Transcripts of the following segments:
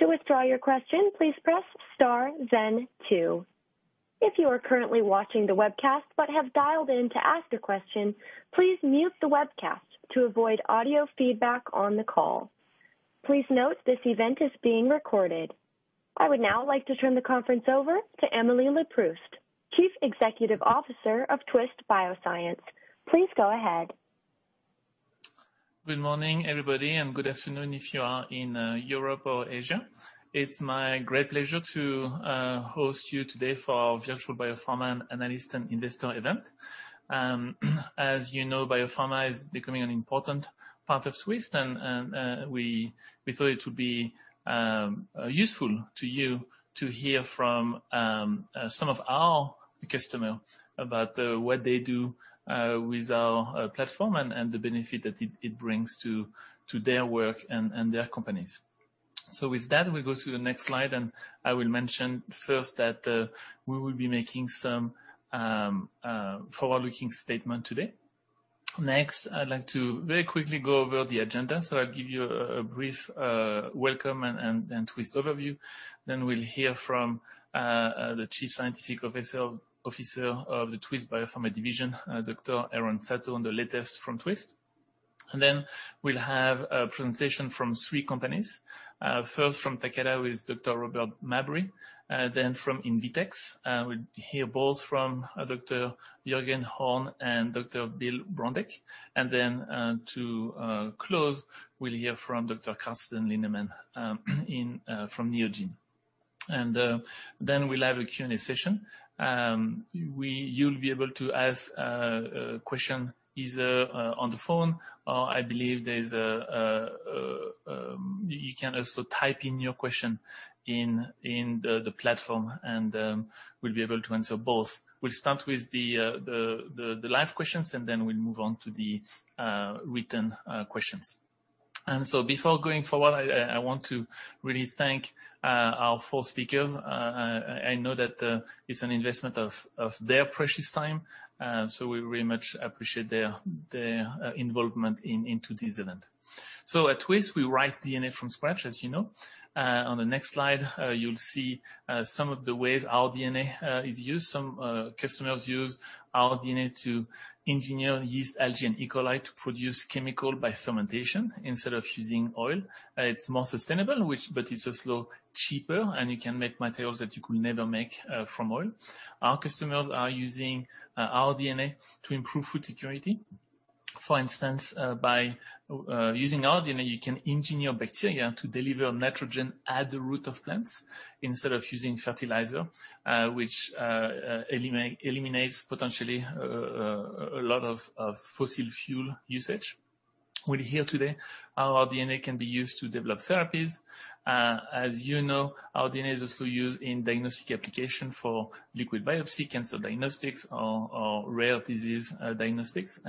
I would now like to turn the conference over to Emily Leproust, Chief Executive Officer of Twist Bioscience. Please go ahead. Good morning, everybody, and good afternoon if you are in Europe or Asia. It's my great pleasure to host you today for our Virtual Biopharma and Analyst and Investor event. As you know, biopharma is becoming an important part of Twist, and we thought it would be useful to you to hear from some of our customers about what they do with our platform and the benefit that it brings to their work and their companies. With that, we go to the next slide, and I will mention first that we will be making some forward-looking statement today. Next, I'd like to very quickly go over the agenda. I'll give you a brief welcome and Twist overview. We'll hear from the Chief Scientific Officer of the Twist Biopharma division, Dr. Aaron Sato, on the latest from Twist. Then we'll have a presentation from three companies. First from Takeda with Dr. Robert Mabry, then from Invetx, we'll hear both from Dr. Jürgen Horn and Dr. Bill Brondyk. Then to close, we'll hear from Dr. Carsten Linnemann from Neogene. Then we'll have a Q&A session. You'll be able to ask a question either on the phone or I believe you can also type in your question in the platform, and we'll be able to answer both. We'll start with the live questions, and then we'll move on to the written questions. Before going forward, I want to really thank our four speakers. I know that it's an investment of their precious time. We really much appreciate their involvement into this event. At Twist, we write DNA from scratch, as you know. On the next slide, you'll see some of the ways our DNA is used. Some customers use our DNA to engineer yeast, algae, and E. coli to produce chemical by fermentation instead of using oil. It's more sustainable, but it's also cheaper, and you can make materials that you could never make from oil. Our customers are using our DNA to improve food security. For instance, by using our DNA, you can engineer bacteria to deliver nitrogen at the root of plants instead of using fertilizer, which eliminates potentially a lot of fossil fuel usage. We'll hear today how our DNA can be used to develop therapies. As you know, our DNA is also used in diagnostic application for liquid biopsy, cancer diagnostics, or rare disease diagnostics.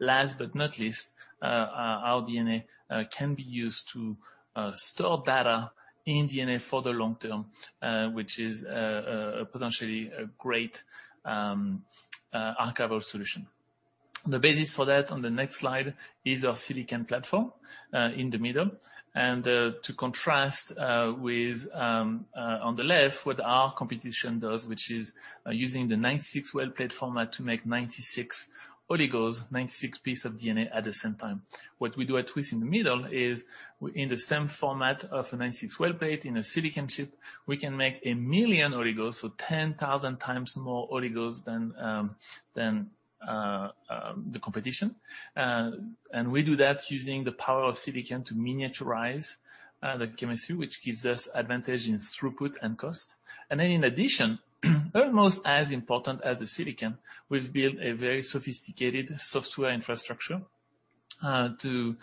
Last but not least, our DNA can be used to store data in DNA for the long term, which is potentially a great archival solution. The basis for that on the next slide is our silicon platform in the middle. To contrast with, on the left, what our competition does, which is using the 96-well plate format to make 96 oligos, 96 piece of DNA at the same time. What we do at Twist in the middle is in the same format of a 96-well plate in a silicon chip, we can make one million oligos, so 10,000 times more oligos than the competition. We do that using the power of silicon to miniaturize the chemistry, which gives us advantage in throughput and cost. In addition, almost as important as the silicon, we've built a very sophisticated software infrastructure, to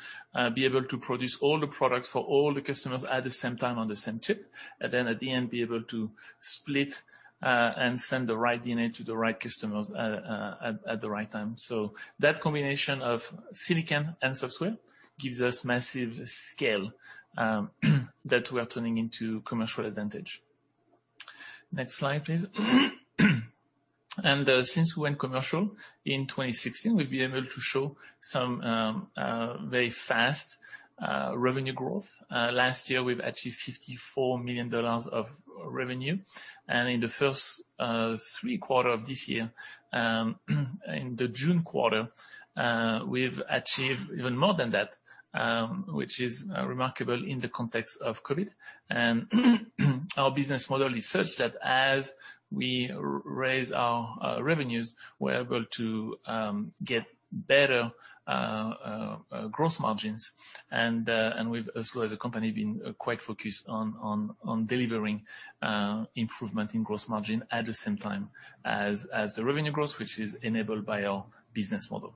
be able to produce all the products for all the customers at the same time on the same chip. At the end, be able to split and send the right DNA to the right customers at the right time. That combination of silicon and software gives us massive scale that we are turning into commercial advantage. Next slide, please. Since we went commercial in 2016, we've been able to show some very fast revenue growth. Last year, we've achieved $54 million of revenue. In the first, three quarter of this year, in the June quarter, we've achieved even more than that, which is remarkable in the context of COVID. Our business model is such that as we raise our revenues, we're able to get better gross margins. We've also, as a company, been quite focused on delivering improvement in gross margin at the same time as the revenue growth, which is enabled by our business model.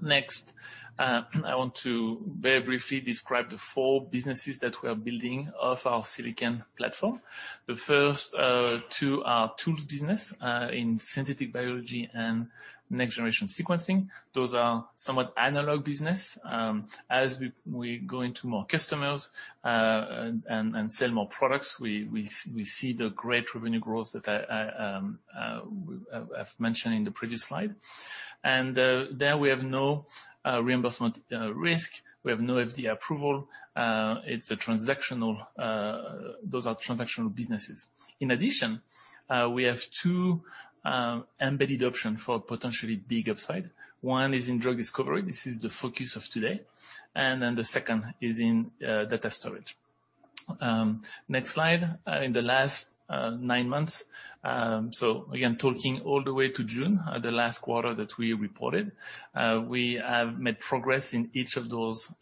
Next, I want to very briefly describe the four businesses that we are building of our silicon platform. The first two are tools business in synthetic biology and next-generation sequencing. Those are somewhat analog business. As we go into more customers and sell more products, we see the great revenue growth that I've mentioned in the previous slide. There we have no reimbursement risk. We have no FDA approval. Those are transactional businesses. In addition, we have two embedded options for potentially big upside. One is in drug discovery. This is the focus of today. The second is in data storage. Next slide. In the last nine months, again, talking all the way to June, the last quarter that we reported, we have made progress in each of those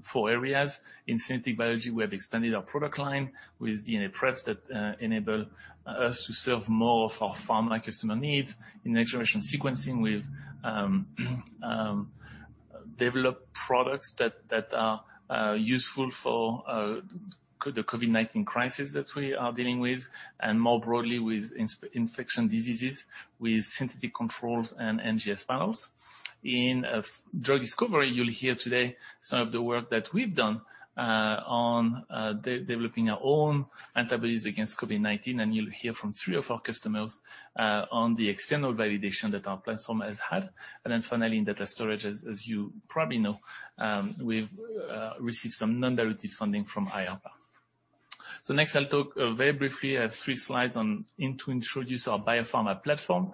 four areas. In synthetic biology, we have expanded our product line with DNA preps that enable us to serve more of our pharma customer needs. In next-generation sequencing, we've developed products that are useful for the COVID-19 crisis that we are dealing with, and more broadly with infectious diseases, with synthetic controls and NGS panels. In drug discovery, you'll hear today some of the work that we've done on developing our own antibodies against COVID-19, you'll hear from three of our customers on the external validation that our platform has had. Finally, in data storage, as you probably know, we've received some non-dilutive funding from IARPA. Next I'll talk very briefly. I have three slides to introduce our Biopharma platform.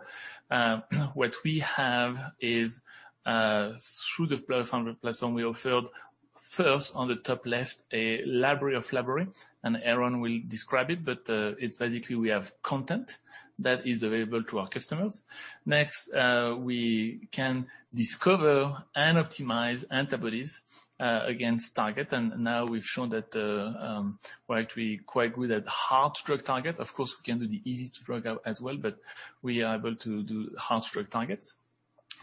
What we have is through the platform, we offered first on the top left, a library of libraries. Aaron Sato will describe it, but it's basically, we have content that is available to our customers. Next, we can discover and optimize antibodies against target. Now we've shown that we're actually quite good at hard drug targets. Of course, we can do the easy drug target as well. We are able to do hard drug targets.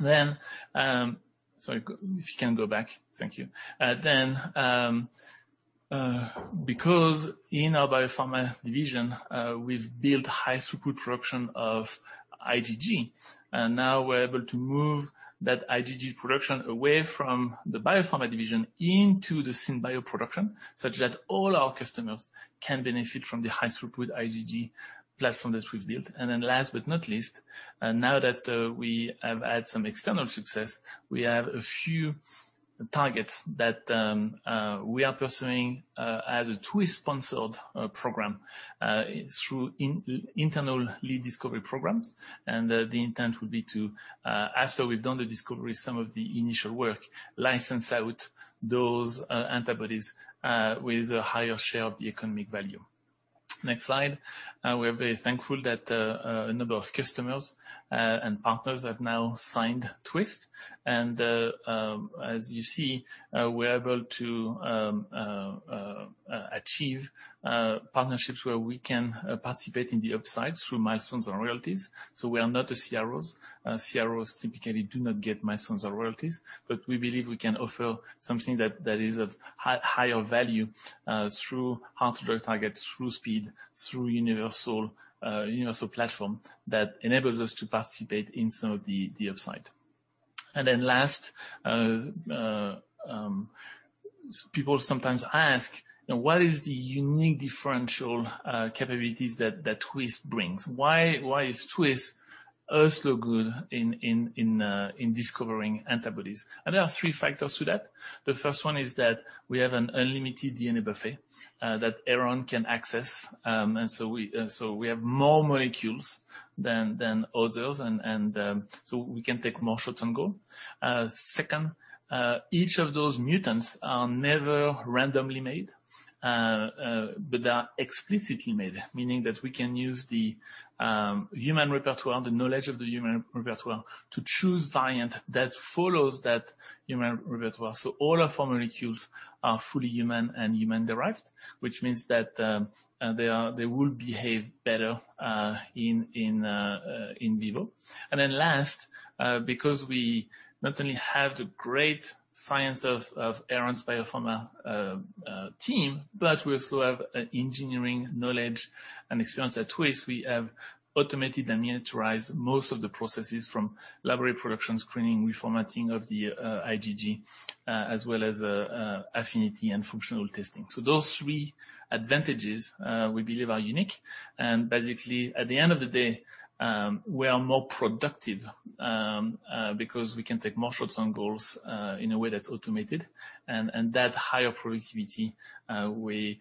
Sorry, if you can go back. Thank you. Because in our Biopharma division, we've built high throughput production of IgG. Now we're able to move that IgG production away from the Biopharma division into the SynBio production, such that all our customers can benefit from the high throughput IgG platform that we've built. Last but not least, now that we have had some external success, we have a few targets that we are pursuing as a Twist-sponsored program through internal lead discovery programs. The intent would be to, after we've done the discovery, some of the initial work, license out those antibodies with a higher share of the economic value. Next slide. We are very thankful that a number of customers and partners have now signed Twist. As you see, we're able to achieve partnerships where we can participate in the upsides through milestones or royalties. We are not a CROs. CROs typically do not get milestones or royalties. We believe we can offer something that is of higher value through hard drug targets, through speed, through universal platform that enables us to participate in some of the upside. Then last, people sometimes ask, what is the unique differential capabilities that Twist brings? Why is Twist also good in discovering antibodies? There are three factors to that. The first one is that we have an unlimited DNA buffet that Aaron can access. So we have more molecules than others, so we can take more shots on goal. Second, each of those mutants are never randomly made, but are explicitly made, meaning that we can use the human repertoire, the knowledge of the human repertoire, to choose variant that follows that human repertoire. All our pharma molecules are fully human and human-derived. Which means that they will behave better in vivo. Then last, because we not only have the great science of Aaron's Biopharma team, but we also have engineering knowledge and experience at Twist. We have automated and miniaturized most of the processes from library production, screening, reformatting of the IgG, as well as affinity and functional testing. Those three advantages we believe are unique. Basically, at the end of the day, we are more productive because we can take more shots on goals in a way that's automated. That higher productivity will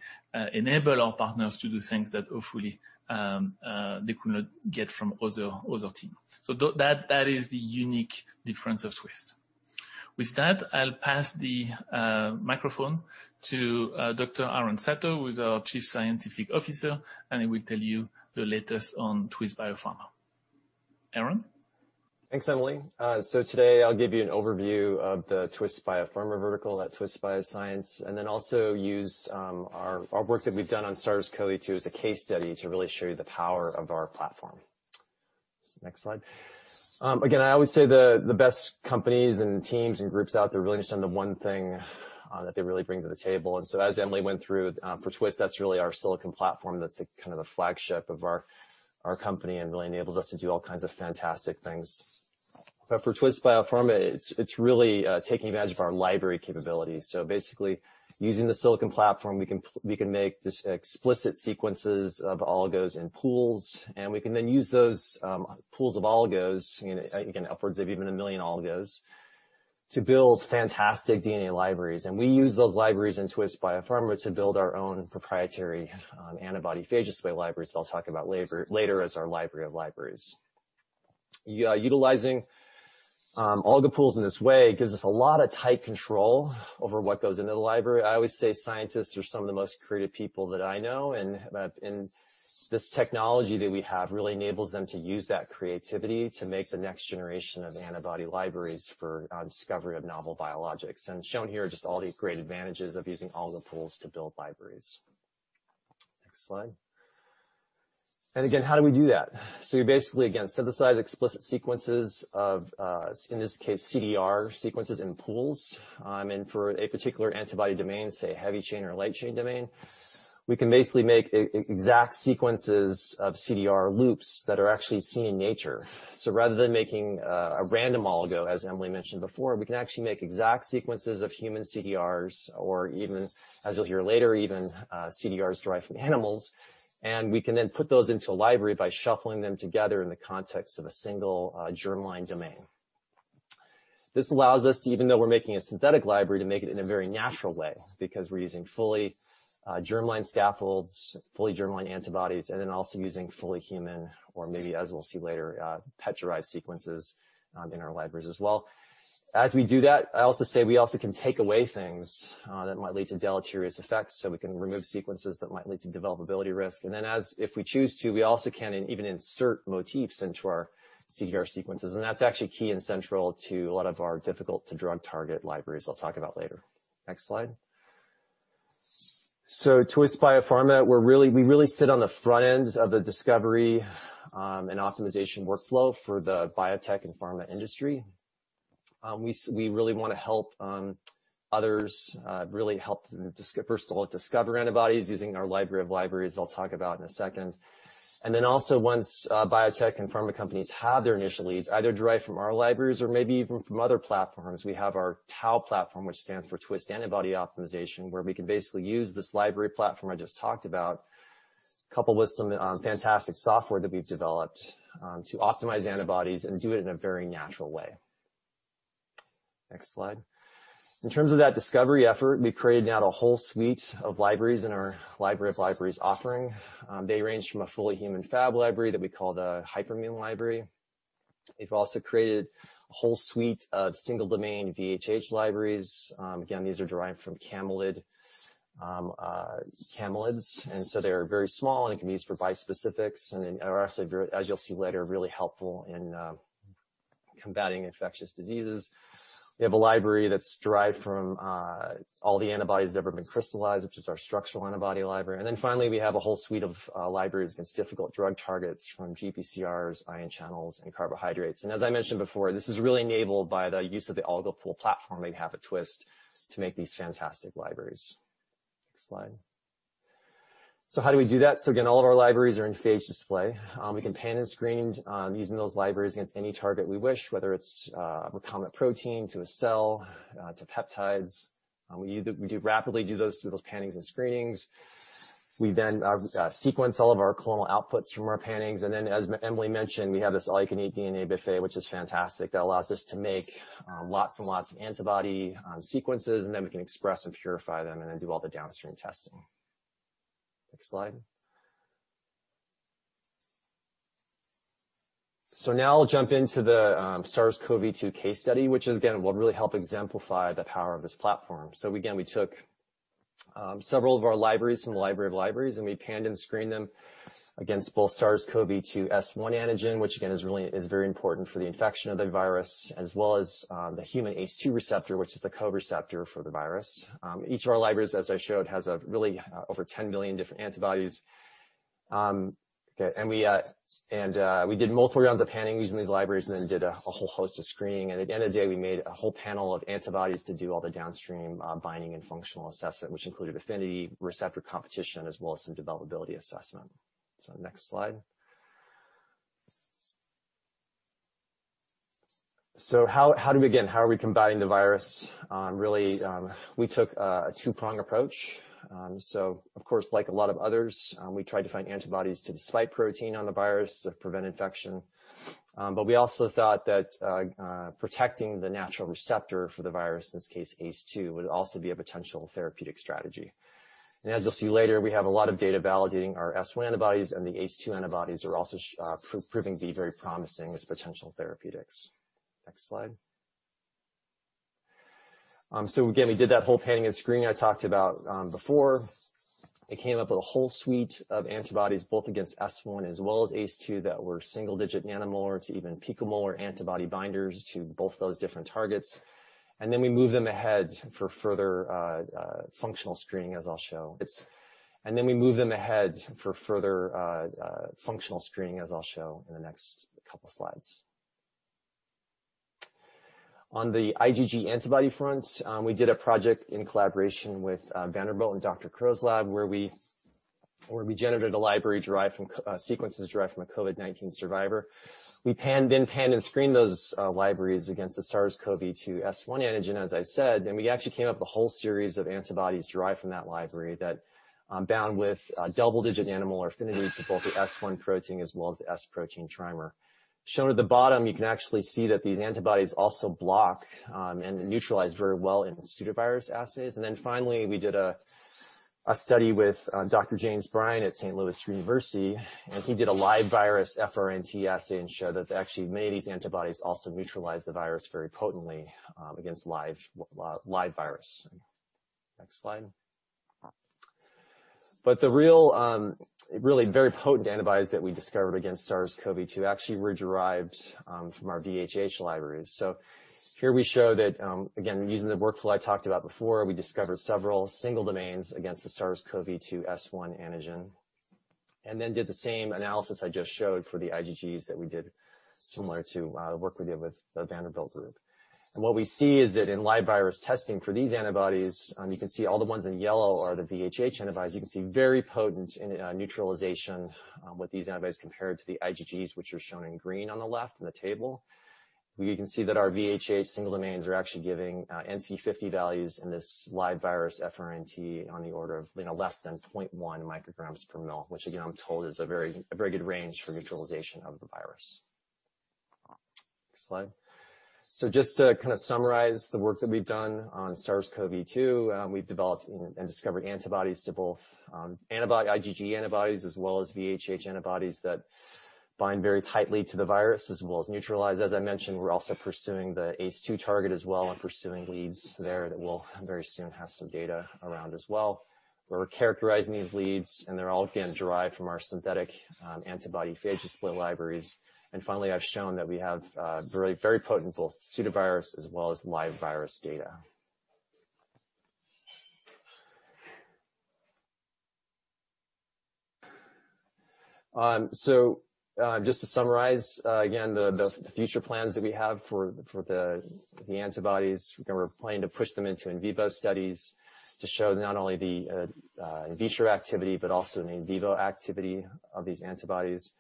enable our partners to do things that hopefully they could not get from other teams. That is the unique difference of Twist. With that, I'll pass the microphone to Dr. Aaron Sato, who is our Chief Scientific Officer, and he will tell you the latest on Twist Biopharma. Aaron? Thanks, Emily. Today I'll give you an overview of the Twist Biopharma vertical at Twist Bioscience, and then also use our work that we've done on SARS-CoV-2 as a case study to really show you the power of our platform. Next slide. Again, I always say the best companies and teams and groups out there really understand the one thing that they really bring to the table. As Emily went through, for Twist, that's really our Silicon Platform that's the flagship of our company and really enables us to do all kinds of fantastic things. For Twist Biopharma, it's really taking advantage of our library capabilities. Basically, using the Silicon Platform, we can make just explicit sequences of oligos in pools, and we can then use those pools of oligos, again, upwards of even one million oligos, to build fantastic DNA libraries. We use those libraries in Twist Biopharma to build our own proprietary antibody phage display libraries that I'll talk about later as our library of libraries. Utilizing Oligo Pools in this way gives us a lot of tight control over what goes into the library. I always say scientists are some of the most creative people that I know, and this technology that we have really enables them to use that creativity to make the next generation of antibody libraries for discovery of novel biologics. Shown here are just all these great advantages of using Oligo Pools to build libraries. Next slide. Again, how do we do that? You basically, again, synthesize explicit sequences of, in this case, CDR sequences in pools. For a particular antibody domain, say heavy chain or light chain domain, we can basically make exact sequences of CDR loops that are actually seen in nature. Rather than making a random oligo, as Emily mentioned before, we can actually make exact sequences of human CDRs, or even as you will hear later, even CDRs derived from animals. We can put those into a library by shuffling them together in the context of a single germline domain. This allows us to, even though we are making a synthetic library, to make it in a very natural way, because we are using fully germline scaffolds, fully germline antibodies, and also using fully human, or maybe as we will see later, camelid-derived sequences in our libraries as well. As we do that, I also say we also can take away things that might lead to deleterious effects, so we can remove sequences that might lead to developability risk. If we choose to, we also can even insert motifs into our CDR sequences, and that's actually key and central to a lot of our difficult to drug target libraries I'll talk about later. Next slide. Twist Biopharma, we really sit on the front ends of the discovery and optimization workflow for the biotech and pharma industry. We really want to help others, really help them first of all discover antibodies using our library of libraries that I'll talk about in a second. Once biotech and pharma companies have their initial leads, either derived from our libraries or maybe even from other platforms, we have our TAO platform, which stands for Twist Antibody Optimization, where we can basically use this library platform I just talked about, coupled with some fantastic software that we've developed to optimize antibodies and do it in a very natural way. Next slide. In terms of that discovery effort, we've created now a whole suite of libraries in our Library of Libraries offering. They range from a fully human fab library that we call the Hyperimmune Library. We've also created a whole suite of single domain VHH libraries. Again, these are derived from camelids, and so they are very small and can be used for bispecifics, and are actually, as you'll see later, really helpful in combating infectious diseases. We have a library that's derived from all the antibodies that have ever been crystallized, which is our structural antibody library. Finally, we have a whole suite of libraries against difficult drug targets from GPCRs, ion channels, and carbohydrates. As I mentioned before, this is really enabled by the use of the oligo pool platform we have at Twist to make these fantastic libraries. Next slide. How do we do that? Again, all of our libraries are in phage display. We can pan and screen using those libraries against any target we wish, whether it's a recombinant protein to a cell, to peptides. We rapidly do those through those pannings and screenings. We then sequence all of our clonal outputs from our pannings. As Emily mentioned, we have this all you can eat DNA buffet, which is fantastic, that allows us to make lots and lots of antibody sequences. We can express and purify them and then do all the downstream testing. Next slide. Now I'll jump into the SARS-CoV-2 case study, which again, will really help exemplify the power of this platform. Again, we took several of our libraries from the library of libraries. We panned and screened them against both SARS-CoV-2 S1 antigen, which again, is very important for the infection of the virus, as well as the human ACE2 receptor, which is the co-receptor for the virus. Each of our libraries, as I showed, has really over 10 million different antibodies. We did multiple rounds of panning using these libraries and then did a whole host of screening. At the end of the day, we made a whole panel of antibodies to do all the downstream binding and functional assessment, which included affinity, receptor competition, as well as some developability assessment. Next slide. How do we begin? How are we combating the virus? Really, we took a two-prong approach. Of course, like a lot of others, we tried to find antibodies to the spike protein on the virus to prevent infection. We also thought that protecting the natural receptor for the virus, in this case ACE2, would also be a potential therapeutic strategy. As you'll see later, we have a lot of data validating our S1 antibodies and the ACE2 antibodies are also proving to be very promising as potential therapeutics. Next slide. Again, we did that whole panning and screening I talked about before. It came up with a whole suite of antibodies, both against S1 as well as ACE2, that were single-digit nanomolar to even picomolar antibody binders to both those different targets. We moved them ahead for further functional screening, as I'll show in the next couple slides. On the IgG antibody front, we did a project in collaboration with Vanderbilt and Dr. Crowe's lab, where we generated a library sequences derived from a COVID-19 survivor. We panned and screened those libraries against the SARS-CoV-2 S1 antigen, as I said, and we actually came up with a whole series of antibodies derived from that library that bound with double-digit nanomolar affinities to both the S1 protein as well as the S protein trimer. Shown at the bottom, you can actually see that these antibodies also block and neutralize very well in pseudovirus assays. Finally, we did a study with Dr. James Brien at Saint Louis University, and he did a live virus FRNT assay and showed that they actually made these antibodies also neutralize the virus very potently against live virus. Next slide. The really very potent antibodies that we discovered against SARS-CoV-2 actually were derived from our VHH libraries. Here we show that, again, using the workflow I talked about before, we discovered several single domains against the SARS-CoV-2 S1 antigen, and then did the same analysis I just showed for the IgGs that we did similar to work we did with the Vanderbilt group. What we see is that in live virus testing for these antibodies, you can see all the ones in yellow are the VHH antibodies. You can see very potent neutralization with these antibodies compared to the IgGs, which are shown in green on the left in the table. You can see that our VHH single domains are actually giving IC50 values in this live virus FRNT on the order of less than 0.1 micrograms per mil, which again, I'm told is a very good range for neutralization of the virus. Next slide. Just to kind of summarize the work that we've done on SARS-CoV-2, we've developed and discovered antibodies to both IgG antibodies as well as VHH antibodies that bind very tightly to the virus, as well as neutralize. As I mentioned, we're also pursuing the ACE2 target as well and pursuing leads there that we'll very soon have some data around as well, where we're characterizing these leads, and they're all again derived from our synthetic antibody phage display libraries. Finally, I've shown that we have very potent both pseudovirus as well as live virus data. Just to summarize again, the future plans that we have for the antibodies. Again, we're planning to push them into in vivo studies to show not only the in vitro activity but also the in vivo activity of these antibodies.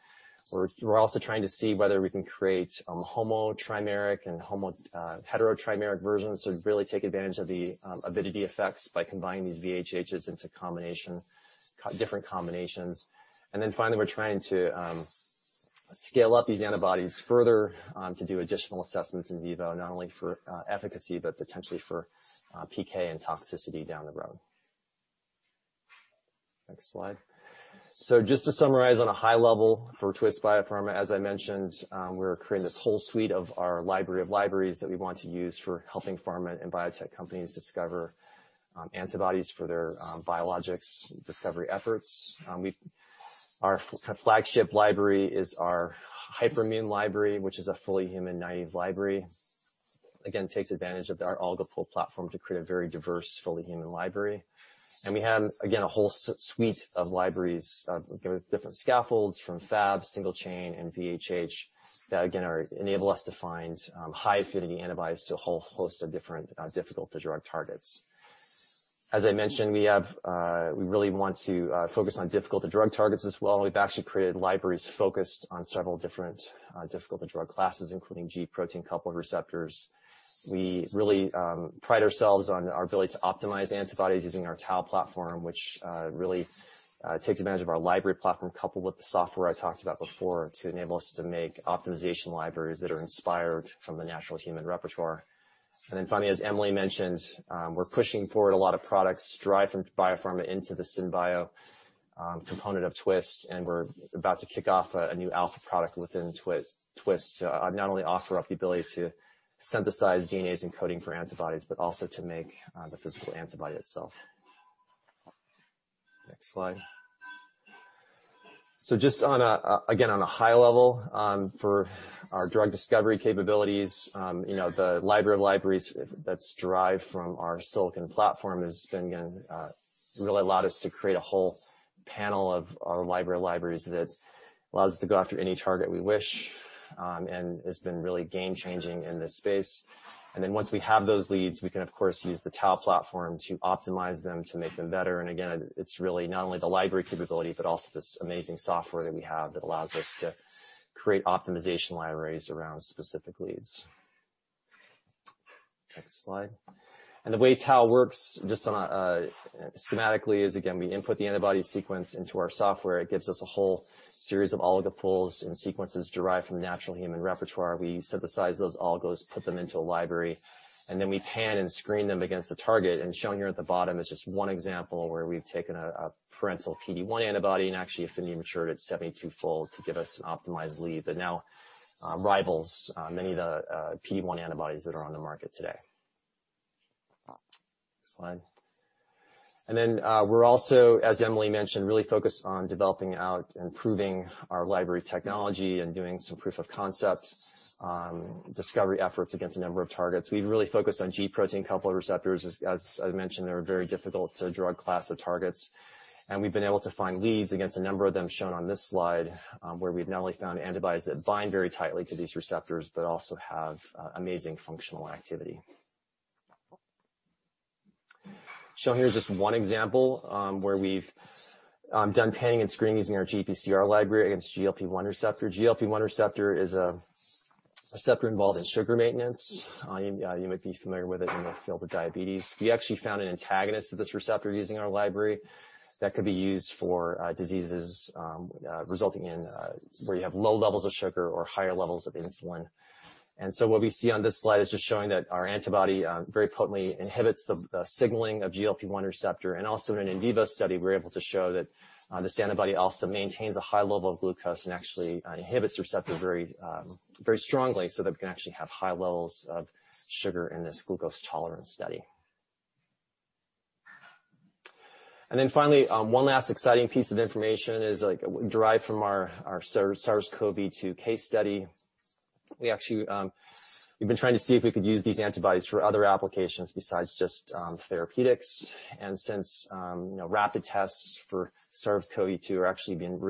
We're also trying to see whether we can create homo trimeric and hetero trimeric versions to really take advantage of the avidity effects by combining these VHHs into different combinations. Finally, we're trying to scale up these antibodies further to do additional assessments in vivo, not only for efficacy, but potentially for PK and toxicity down the road. Next slide. Just to summarize on a high level for Twist Biopharma, as I mentioned, we're creating this whole suite of our library of libraries that we want to use for helping pharma and biotech companies discover antibodies for their biologics discovery efforts. Our flagship library is our hyperimmune library, which is a fully human naive library. Takes advantage of our Oligo Pool platform to create a very diverse, fully human library. We have, again, a whole suite of libraries with different scaffolds from fab, single chain, and VHH that, again, enable us to find high affinity antibodies to a whole host of different difficult to drug targets. As I mentioned, we really want to focus on difficult to drug targets as well. We've actually created libraries focused on several different difficult to drug classes, including G protein-coupled receptors. We really pride ourselves on our ability to optimize antibodies using our TAO platform, which really takes advantage of our library platform coupled with the software I talked about before to enable us to make optimization libraries that are inspired from the natural human repertoire. Then finally, as Emily mentioned, we're pushing forward a lot of products derived from biopharma into the synbio component of Twist, and we're about to kick off a new alpha product within Twist to not only offer up the ability to synthesize DNAs encoding for antibodies, but also to make the physical antibody itself. Next slide. Just again, on a high level for our drug discovery capabilities, the library of libraries that's derived from our silicon platform has been, again, really allowed us to create a whole panel of our library of libraries that allows us to go after any target we wish, and has been really game-changing in this space. Once we have those leads, we can of course use the TAO platform to optimize them to make them better. Again, it's really not only the library capability, but also this amazing software that we have that allows us to create optimization libraries around specific leads. Next slide. The way TAO works, just schematically is, again, we input the antibody sequence into our software. It gives us a whole series of Oligo Pool and sequences derived from the natural human repertoire. We synthesize those oligos, put them into a library, and then we pan and screen them against the target. Shown here at the bottom is just one example where we've taken a parental PD-1 antibody and actually affinity matured it 72-fold to give us an optimized lead that now rivals many of the PD-1 antibodies that are on the market today. Next slide. Then we're also, as Emily mentioned, really focused on developing out and improving our library technology and doing some proof of concept discovery efforts against a number of targets. We've really focused on G protein-coupled receptors. As I mentioned, they're a very difficult to drug class of targets. We've been able to find leads against a number of them shown on this slide, where we've not only found antibodies that bind very tightly to these receptors but also have amazing functional activity. Shown here is just one example where we've done panning and screening using our GPCR library against GLP-1 receptor. GLP-1 receptor is a receptor involved in sugar maintenance. You might be familiar with it in the field of diabetes. We actually found an antagonist of this receptor using our library that could be used for diseases resulting in where you have low levels of sugar or higher levels of insulin. What we see on this slide is just showing that our antibody very potently inhibits the signaling of GLP-1 receptor. Also in an in vivo study, we were able to show that this antibody also maintains a high level of glucose and actually inhibits the receptor very strongly so that we can actually have high levels of sugar in this glucose tolerance study. Finally, one last exciting piece of information is derived from our SARS-CoV-2 case study. We've been trying to see if we could use these antibodies for other applications besides just therapeutics. Since rapid tests for SARS-CoV-2 are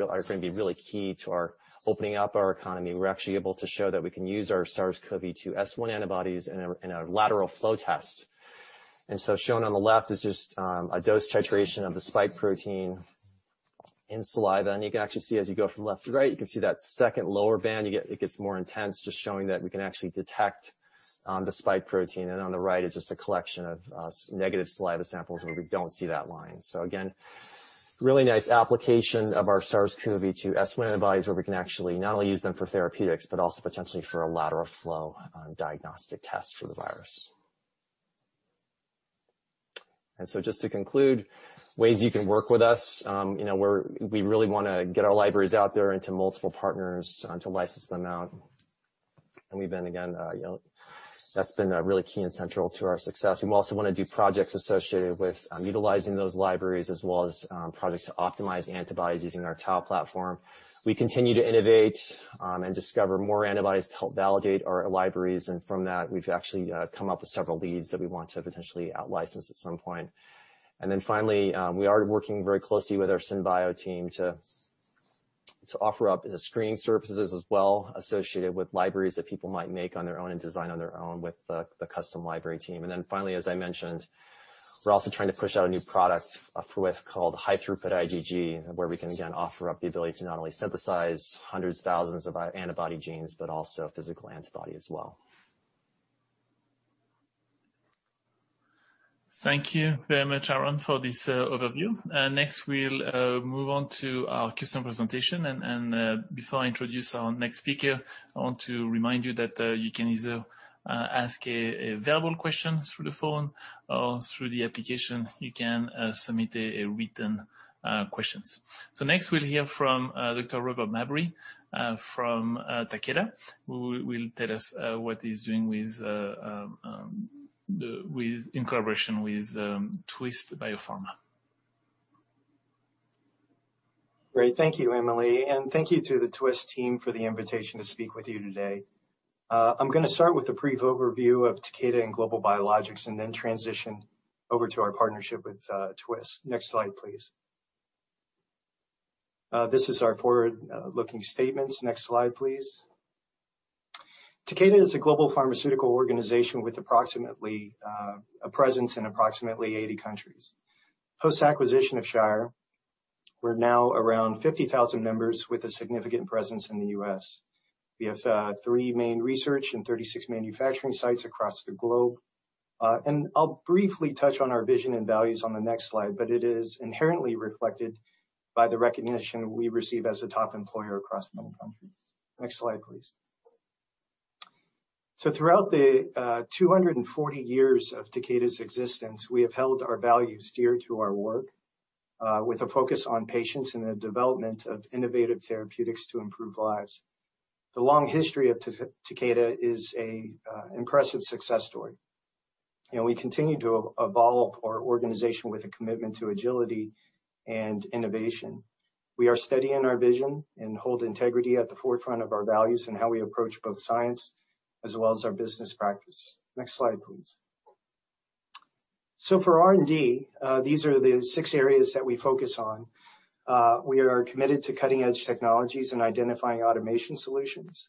going to be really key to our opening up our economy, we're actually able to show that we can use our SARS-CoV-2 S1 antibodies in a lateral flow test. Shown on the left is just a dose titration of the spike protein in saliva. You can actually see as you go from left to right, you can see that second lower band, it gets more intense, just showing that we can actually detect the spike protein. On the right is just a collection of negative saliva samples where we don't see that line. Again, really nice application of our SARS-CoV-2 S1 antibodies where we can actually not only use them for therapeutics, but also potentially for a lateral flow diagnostic test for the virus. Just to conclude, ways you can work with us, we really want to get our libraries out there into multiple partners to license them out. That's been really key and central to our success. We also want to do projects associated with utilizing those libraries, as well as projects to optimize antibodies using our TAO platform. We continue to innovate and discover more antibodies to help validate our libraries. From that, we've actually come up with several leads that we want to potentially outlicense at some point. Finally, we are working very closely with our Synbio team to offer up screening services as well associated with libraries that people might make on their own and design on their own with the custom library team. Finally, as I mentioned, we're also trying to push out a new product called high throughput IgG, where we can, again, offer up the ability to not only synthesize hundreds, thousands of antibody genes, but also physical antibody as well. Thank you very much, Aaron, for this overview. Next, we'll move on to our customer presentation. Before I introduce our next speaker, I want to remind you that you can either ask a verbal question through the phone or through the application, you can submit written questions. Next we'll hear from Dr. Robert Mabry from Takeda, who will tell us what he's doing in collaboration with Twist Biopharma. Great. Thank you, Emily. Thank you to the Twist team for the invitation to speak with you today. I'm going to start with a brief overview of Takeda and Global Biologics and then transition over to our partnership with Twist. Next slide, please. This is our forward-looking statements. Next slide, please. Takeda is a global pharmaceutical organization with a presence in approximately 80 countries. Post acquisition of Shire, we're now around 50,000 members with a significant presence in the U.S. We have three main research and 36 manufacturing sites across the globe. I'll briefly touch on our vision and values on the next slide, but it is inherently reflected by the recognition we receive as a top employer across many countries. Next slide, please. Throughout the 240 years of Takeda's existence, we have held our values dear to our work with a focus on patients and the development of innovative therapeutics to improve lives. The long history of Takeda is a impressive success story, and we continue to evolve our organization with a commitment to agility and innovation. We are steady in our vision and hold integrity at the forefront of our values and how we approach both science as well as our business practice. Next slide, please. For R&D, these are the six areas that we focus on. We are committed to cutting edge technologies and identifying automation solutions.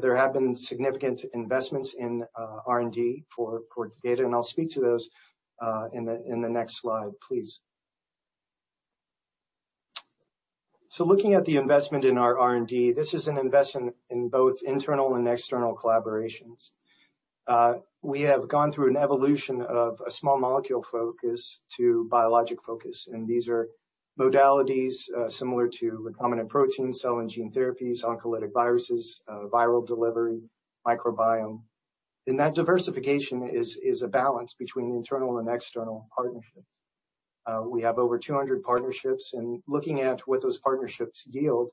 There have been significant investments in R&D for Takeda, and I'll speak to those in the next slide, please. Looking at the investment in our R&D, this is an investment in both internal and external collaborations. We have gone through an evolution of a small molecule focus to biologic focus. These are modalities similar to recombinant protein, cell and gene therapies, oncolytic viruses, viral delivery, microbiome. That diversification is a balance between internal and external partnerships. We have over 200 partnerships, and looking at what those partnerships yield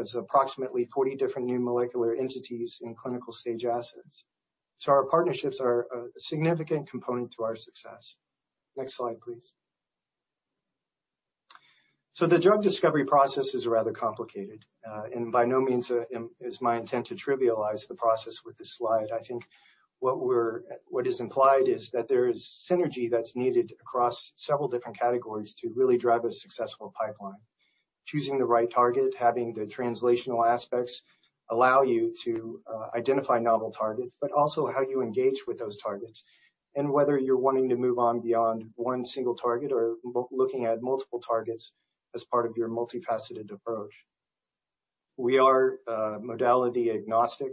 is approximately 40 different new molecular entities in clinical stage assets. Our partnerships are a significant component to our success. Next slide, please. The drug discovery process is rather complicated. By no means is my intent to trivialize the process with this slide. I think what is implied is that there is synergy that's needed across several different categories to really drive a successful pipeline. Choosing the right target, having the translational aspects allow you to identify novel targets, also how you engage with those targets, and whether you're wanting to move on beyond one single target or looking at multiple targets as part of your multifaceted approach. We are modality agnostic,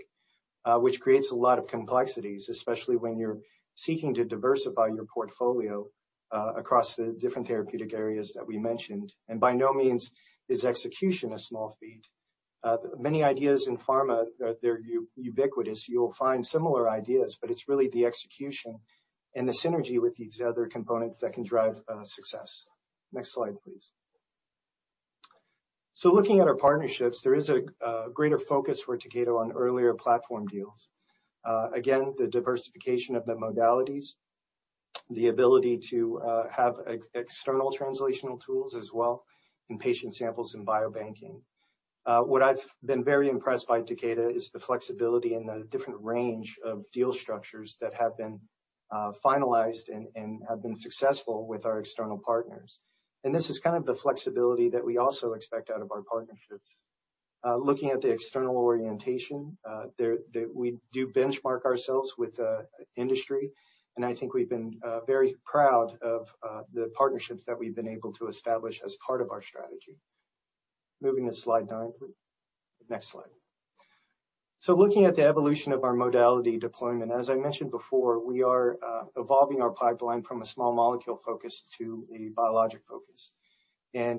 which creates a lot of complexities, especially when you're seeking to diversify your portfolio across the different therapeutic areas that we mentioned, by no means is execution a small feat. Many ideas in pharma, they're ubiquitous. You'll find similar ideas, it's really the execution and the synergy with these other components that can drive success. Next slide, please. Looking at our partnerships, there is a greater focus for Takeda on earlier platform deals. The diversification of the modalities, the ability to have external translational tools as well, and patient samples in biobanking. What I've been very impressed by Takeda is the flexibility and the different range of deal structures that have been finalized and have been successful with our external partners. This is kind of the flexibility that we also expect out of our partnerships. Looking at the external orientation, we do benchmark ourselves with industry. I think we've been very proud of the partnerships that we've been able to establish as part of our strategy. Moving to slide nine, please. Next slide. Looking at the evolution of our modality deployment, as I mentioned before, we are evolving our pipeline from a small molecule focus to a biologic focus.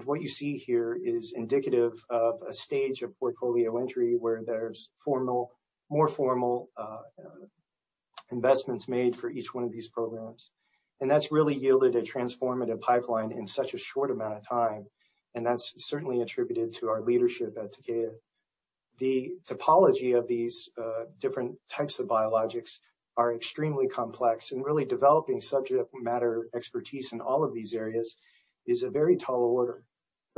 What you see here is indicative of a stage of portfolio entry where there's more formal investments made for each one of these programs. That's really yielded a transformative pipeline in such a short amount of time, and that's certainly attributed to our leadership at Takeda. The topology of these different types of biologics are extremely complex. Really developing subject matter expertise in all of these areas is a very tall order.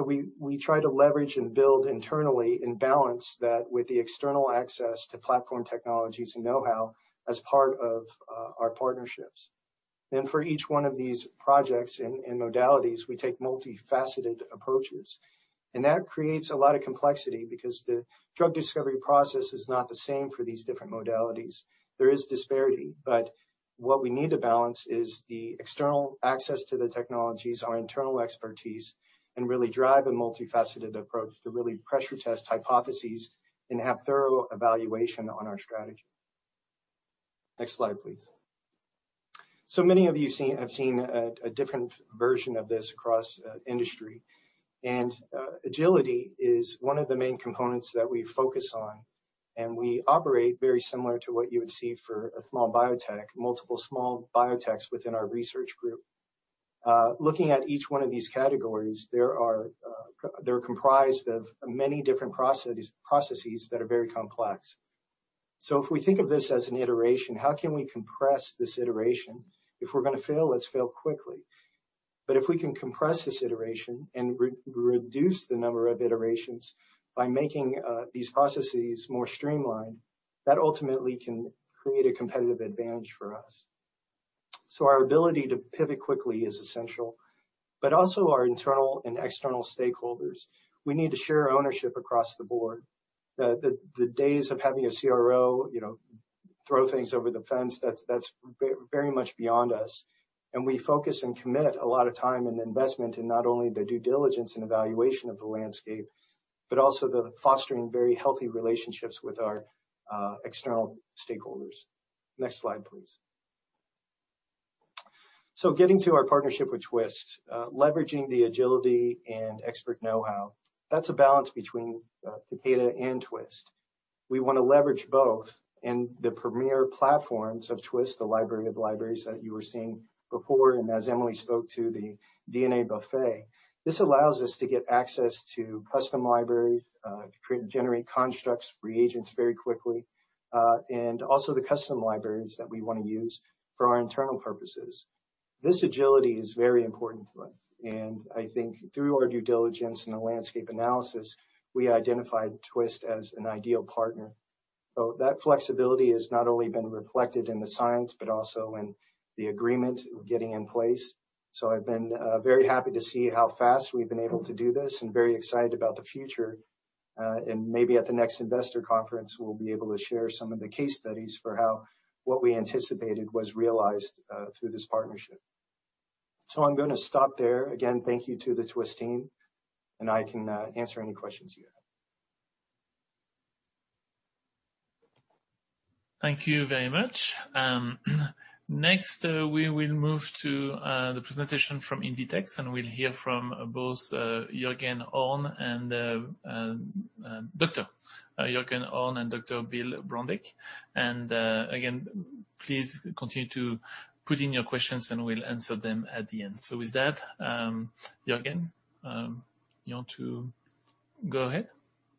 We try to leverage and build internally and balance that with the external access to platform technologies and know-how as part of our partnerships. For each one of these projects and modalities, we take multifaceted approaches. That creates a lot of complexity because the drug discovery process is not the same for these different modalities. There is disparity, but what we need to balance is the external access to the technologies, our internal expertise, and really drive a multifaceted approach to really pressure test hypotheses and have thorough evaluation on our strategy. Next slide, please. Many of you have seen a different version of this across industry, and agility is one of the main components that we focus on, and we operate very similar to what you would see for a small biotech, multiple small biotechs within our research group. Looking at each one of these categories, they're comprised of many different processes that are very complex. If we think of this as an iteration, how can we compress this iteration? If we're going to fail, let's fail quickly. If we can compress this iteration and reduce the number of iterations by making these processes more streamlined, that ultimately can create a competitive advantage for us. Our ability to pivot quickly is essential, but also our internal and external stakeholders. We need to share ownership across the board. The days of having a CRO throw things over the fence, that's very much beyond us, and we focus and commit a lot of time and investment in not only the due diligence and evaluation of the landscape, but also the fostering very healthy relationships with our external stakeholders. Next slide, please. Getting to our partnership with Twist. Leveraging the agility and expert know-how, that's a balance between Takeda and Twist. We want to leverage both and the premier platforms of Twist, the library of libraries that you were seeing before and as Emily spoke to, the DNA buffet. This allows us to get access to custom libraries to create and generate constructs, reagents very quickly, and also the custom libraries that we want to use for our internal purposes. This agility is very important to us, and I think through our due diligence and the landscape analysis, we identified Twist as an ideal partner. That flexibility has not only been reflected in the science but also in the agreement we're getting in place. I've been very happy to see how fast we've been able to do this and very excited about the future. Maybe at the next investor conference, we'll be able to share some of the case studies for how what we anticipated was realized through this partnership. I'm going to stop there. Again, thank you to the Twist team, and I can answer any questions you have. Thank you very much. Next, we will move to the presentation from Invetx, and we'll hear from both Dr. Jürgen Horn and Dr. Bill Brondyk. Again, please continue to put in your questions, and we'll answer them at the end. With that, Jürgen, you want to go ahead?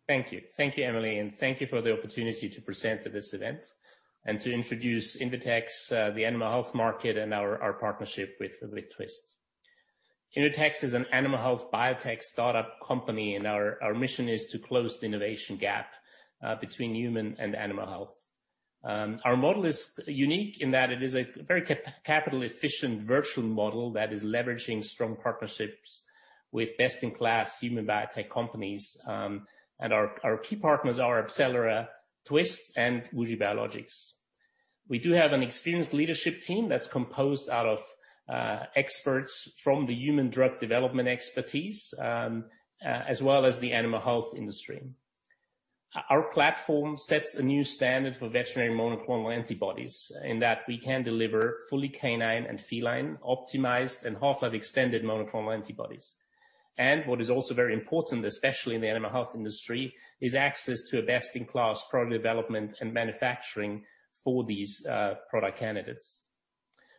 Thank you. Thank you, Emily, and thank you for the opportunity to present at this event and to introduce Invetx, the animal health market, and our partnership with Twist. Invetx is an animal health biotech startup company, our mission is to close the innovation gap between human and animal health. Our model is unique in that it is a very capital-efficient virtual model that is leveraging strong partnerships with best-in-class human biotech companies. Our key partners are AbCellera, Twist, and WuXi Biologics. We do have an experienced leadership team that's composed out of experts from the human drug development expertise, as well as the animal health industry. Our platform sets a new standard for veterinary monoclonal antibodies, in that we can deliver fully canine and feline optimized and half-life extended monoclonal antibodies. What is also very important, especially in the animal health industry, is access to a best-in-class product development and manufacturing for these product candidates.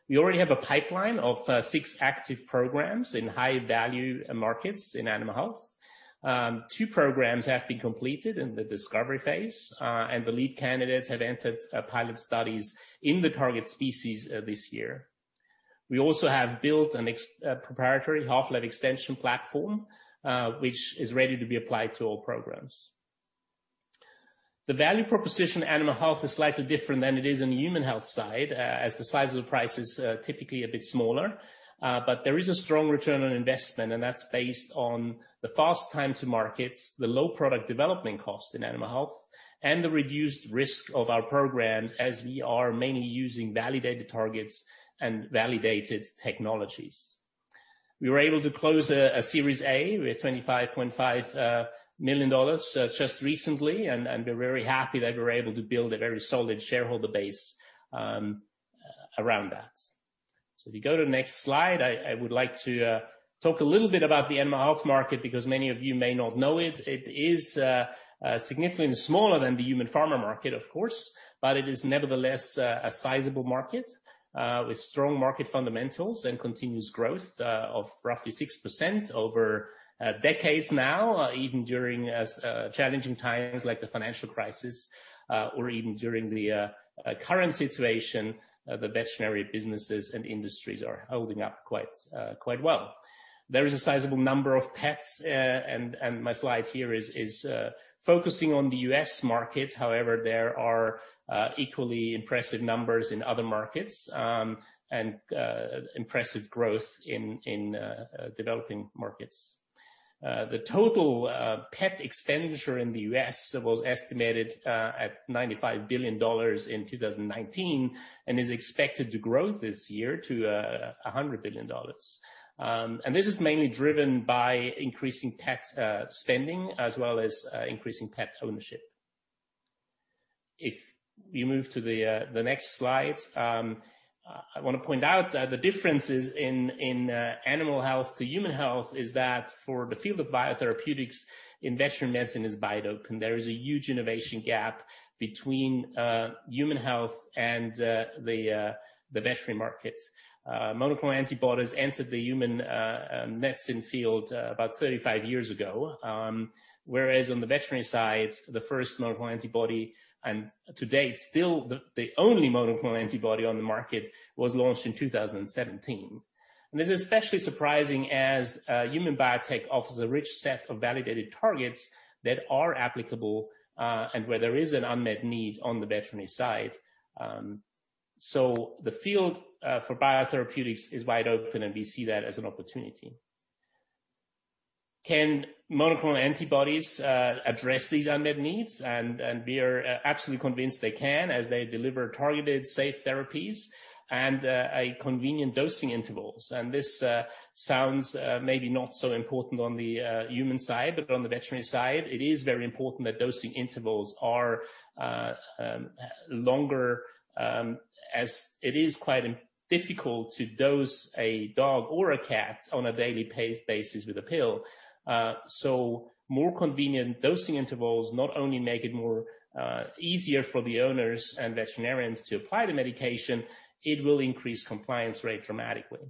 We already have a pipeline of six active programs in high-value markets in animal health. Two programs have been completed in the discovery phase, and the lead candidates have entered pilot studies in the target species this year. We also have built a proprietary half-life extension platform, which is ready to be applied to all programs. The value proposition in animal health is slightly different than it is on the human health side, as the size of the price is typically a bit smaller. There is a strong return on investment, and that's based on the fast time to markets, the low product development cost in animal health, and the reduced risk of our programs as we are mainly using validated targets and validated technologies. We were able to close a Series A with $25.5 million just recently, and we're very happy that we were able to build a very solid shareholder base around that. If you go to the next slide, I would like to talk a little bit about the animal health market because many of you may not know it. It is significantly smaller than the human pharma market, of course, but it is nevertheless a sizable market with strong market fundamentals and continuous growth of roughly 6% over decades now, even during challenging times like the financial crisis or even during the current situation, the veterinary businesses and industries are holding up quite well. There is a sizable number of pets, my slide here is focusing on the U.S. market. However, there are equally impressive numbers in other markets and impressive growth in developing markets. The total pet expenditure in the U.S. was estimated at $95 billion in 2019 and is expected to grow this year to $100 billion. This is mainly driven by increasing pet spending as well as increasing pet ownership. If we move to the next slide, I want to point out that the differences in animal health to human health is that for the field of biotherapeutics in veterinary medicine is wide open. There is a huge innovation gap between human health and the veterinary markets. Monoclonal antibodies entered the human medicine field about 35 years ago, whereas on the veterinary side, the first monoclonal antibody, and to date, still the only monoclonal antibody on the market, was launched in 2017. This is especially surprising as human biotech offers a rich set of validated targets that are applicable, and where there is an unmet need on the veterinary side. The field for biotherapeutics is wide open, and we see that as an opportunity. Can monoclonal antibodies address these unmet needs? We are absolutely convinced they can as they deliver targeted, safe therapies, and at convenient dosing intervals. This sounds maybe not so important on the human side, but on the veterinary side, it is very important that dosing intervals are longer, as it is quite difficult to dose a dog or a cat on a daily basis with a pill. More convenient dosing intervals not only make it more easier for the owners and veterinarians to apply the medication, it will increase compliance rate dramatically.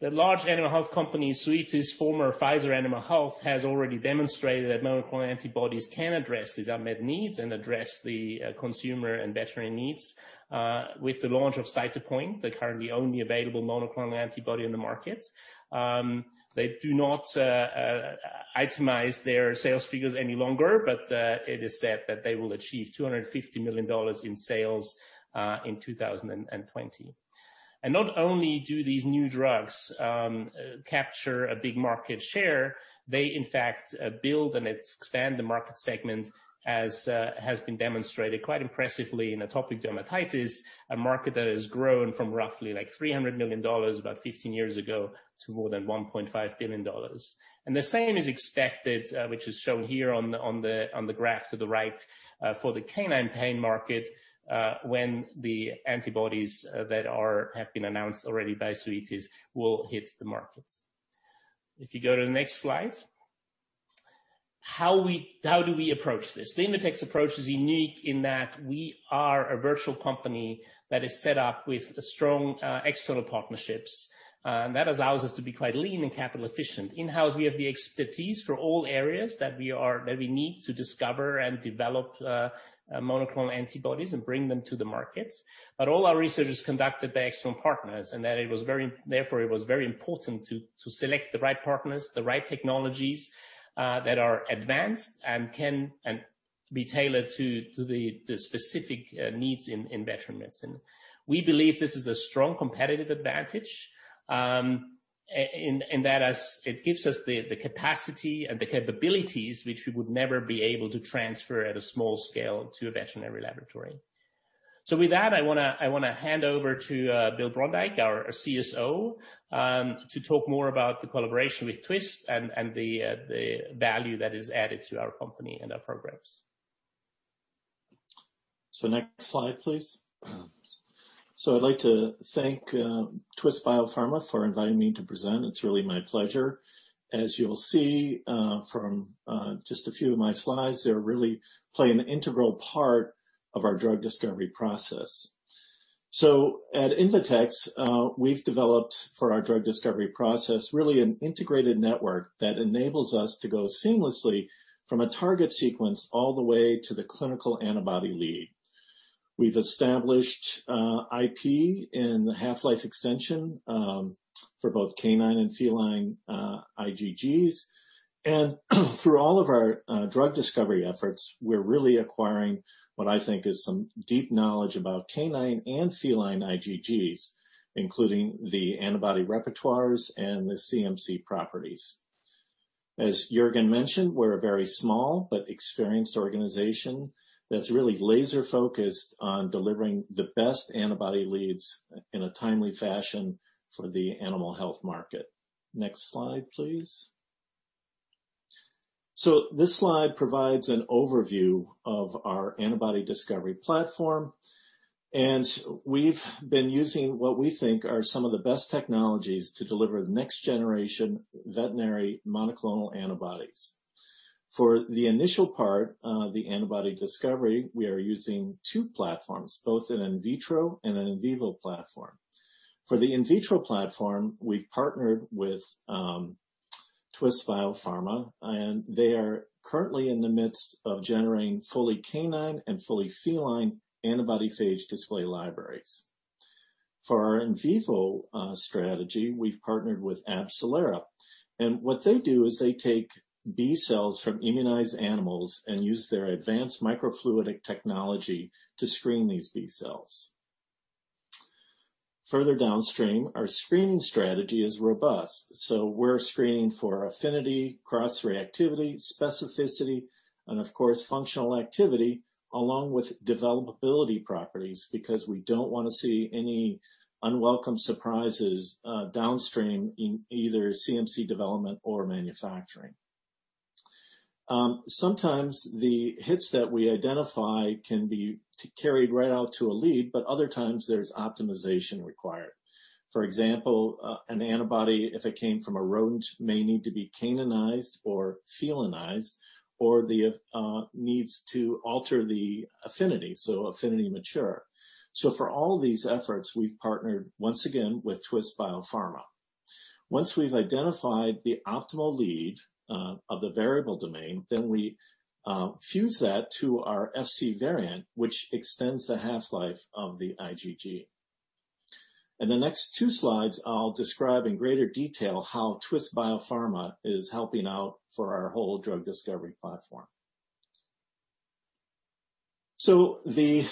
The large animal health company, Zoetis, former Pfizer Animal Health, has already demonstrated that monoclonal antibodies can address these unmet needs and address the consumer and veterinary needs with the launch of Cytopoint, the currently only available monoclonal antibody on the market. They do not itemize their sales figures any longer, but it is said that they will achieve $250 million in sales in 2020. Not only do these new drugs capture a big market share, they in fact build and expand the market segment as has been demonstrated quite impressively in atopic dermatitis, a market that has grown from roughly $300 million about 15 years ago to more than $1.5 billion. The same is expected, which is shown here on the graph to the right, for the canine pain market, when the antibodies that have been announced already by Zoetis will hit the market. If you go to the next slide. How do we approach this? Invetx's approach is unique in that we are a virtual company that is set up with strong external partnerships. That allows us to be quite lean and capital efficient. In-house, we have the expertise for all areas that we need to discover and develop monoclonal antibodies and bring them to the market. All our research is conducted by external partners, and therefore it was very important to select the right partners, the right technologies that are advanced and can be tailored to the specific needs in veterinary medicine. We believe this is a strong competitive advantage in that it gives us the capacity and the capabilities which we would never be able to transfer at a small scale to a veterinary laboratory. With that, I want to hand over to Bill Brondyk, our CSO, to talk more about the collaboration with Twist and the value that is added to our company and our programs. Next slide, please. I'd like to thank Twist Biopharma for inviting me to present. It's really my pleasure. As you'll see from just a few of my slides, they really play an integral part of our drug discovery process. At Invetx, we've developed for our drug discovery process really an integrated network that enables us to go seamlessly from a target sequence all the way to the clinical antibody lead. We've established IP in the half-life extension for both canine and feline IgGs. Through all of our drug discovery efforts, we're really acquiring what I think is some deep knowledge about canine and feline IgGs, including the antibody repertoires and the CMC properties. As Jürgen mentioned, we're a very small but experienced organization that's really laser-focused on delivering the best antibody leads in a timely fashion for the animal health market. Next slide, please. This slide provides an overview of our antibody discovery platform, and we've been using what we think are some of the best technologies to deliver the next-generation veterinary monoclonal antibodies. For the initial part of the antibody discovery, we are using two platforms, both an in vitro and an in vivo platform. For the in vitro platform, we've partnered with Twist Biopharma, and they are currently in the midst of generating fully canine and fully feline antibody phage display libraries. For our in vivo strategy, we've partnered with AbCellera, and what they do is they take B cells from immunized animals and use their advanced microfluidic technology to screen these B cells. Further downstream, our screening strategy is robust. We're screening for affinity, cross-reactivity, specificity, and of course, functional activity, along with developability properties, because we don't want to see any unwelcome surprises downstream in either CMC development or manufacturing. Sometimes the hits that we identify can be carried right out to a lead, but other times there's optimization required. For example, an antibody, if it came from a rodent, may need to be caninized or felinized, or needs to alter the affinity, so affinity mature. For all these efforts, we've partnered once again with Twist Biopharma. Once we've identified the optimal lead of the variable domain, we fuse that to our Fc variant, which extends the half-life of the IgG. In the next two slides, I'll describe in greater detail how Twist Biopharma is helping out for our whole drug discovery platform. The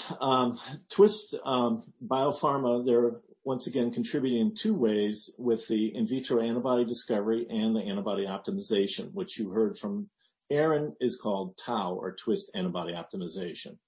Twist Biopharma, they're once again contributing in two ways with the in vitro antibody discovery and the antibody optimization, which you heard from Aaron, is called TAO or Twist Antibody Optimization.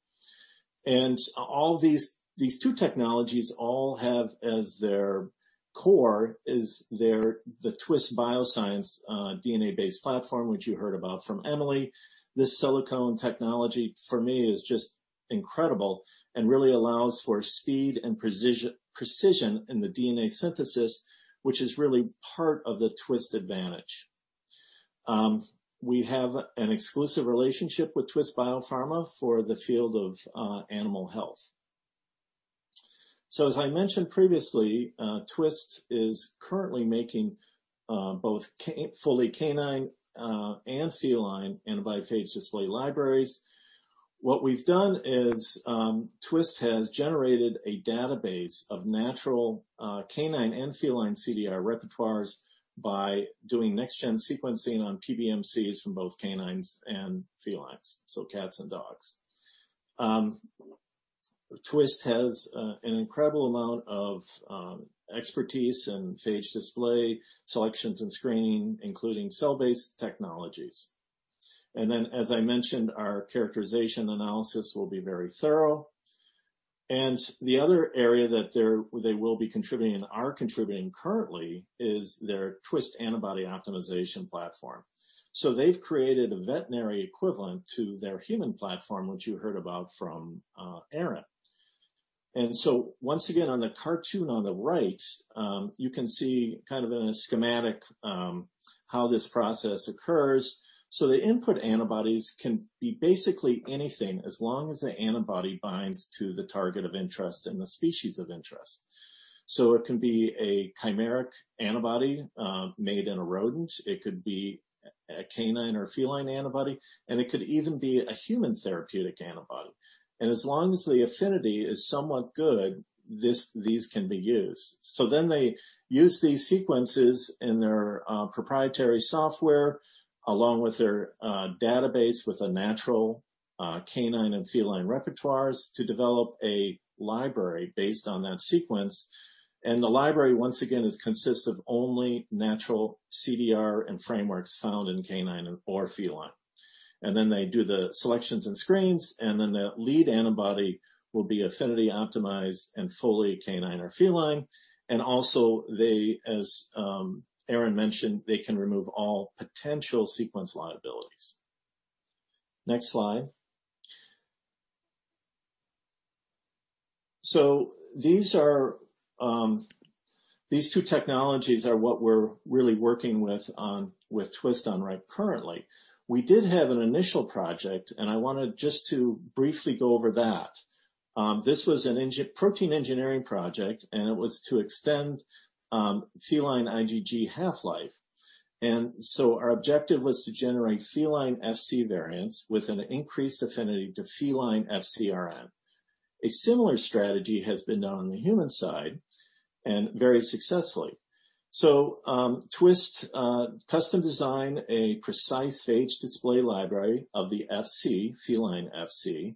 These two technologies all have as their core is the Twist Bioscience DNA-based platform, which you heard about from Emily. This silicon technology for me is just incredible and really allows for speed and precision in the DNA synthesis, which is really part of the Twist advantage. We have an exclusive relationship with Twist Biopharma for the field of animal health. As I mentioned previously, Twist is currently making both fully canine and feline antibody phage display libraries. What we've done is Twist has generated a database of natural canine and feline CDR repertoires by doing next-gen sequencing on PBMCs from both canines and felines, so cats and dogs. Twist has an incredible amount of expertise in phage display selections and screening, including cell-based technologies. Then, as I mentioned, our characterization analysis will be very thorough. The other area that they will be contributing and are contributing currently is their Twist Antibody Optimization platform. They've created a veterinary equivalent to their human platform, which you heard about from Aaron. Once again, on the cartoon on the right, you can see kind of in a schematic how this process occurs. The input antibodies can be basically anything as long as the antibody binds to the target of interest and the species of interest. It can be a chimeric antibody made in a rodent, it could be a canine or feline antibody, it could even be a human therapeutic antibody. As long as the affinity is somewhat good, these can be used. They use these sequences in their proprietary software along with their database with a natural canine and feline repertoires to develop a library based on that sequence. The library, once again, consists of only natural CDR and frameworks found in canine or feline. They do the selections and screens, and then the lead antibody will be affinity optimized and fully canine or feline. Also, as Aaron mentioned, they can remove all potential sequence liabilities. Next slide. These two technologies are what we're really working with Twist on right currently. We did have an initial project, and I want to just briefly go over that. This was a protein engineering project, and it was to extend feline IgG half-life. Our objective was to generate feline Fc variants with an increased affinity to feline FcRn. A similar strategy has been done on the human side and very successfully. Twist custom designed a precise phage display library of the Fc, feline Fc,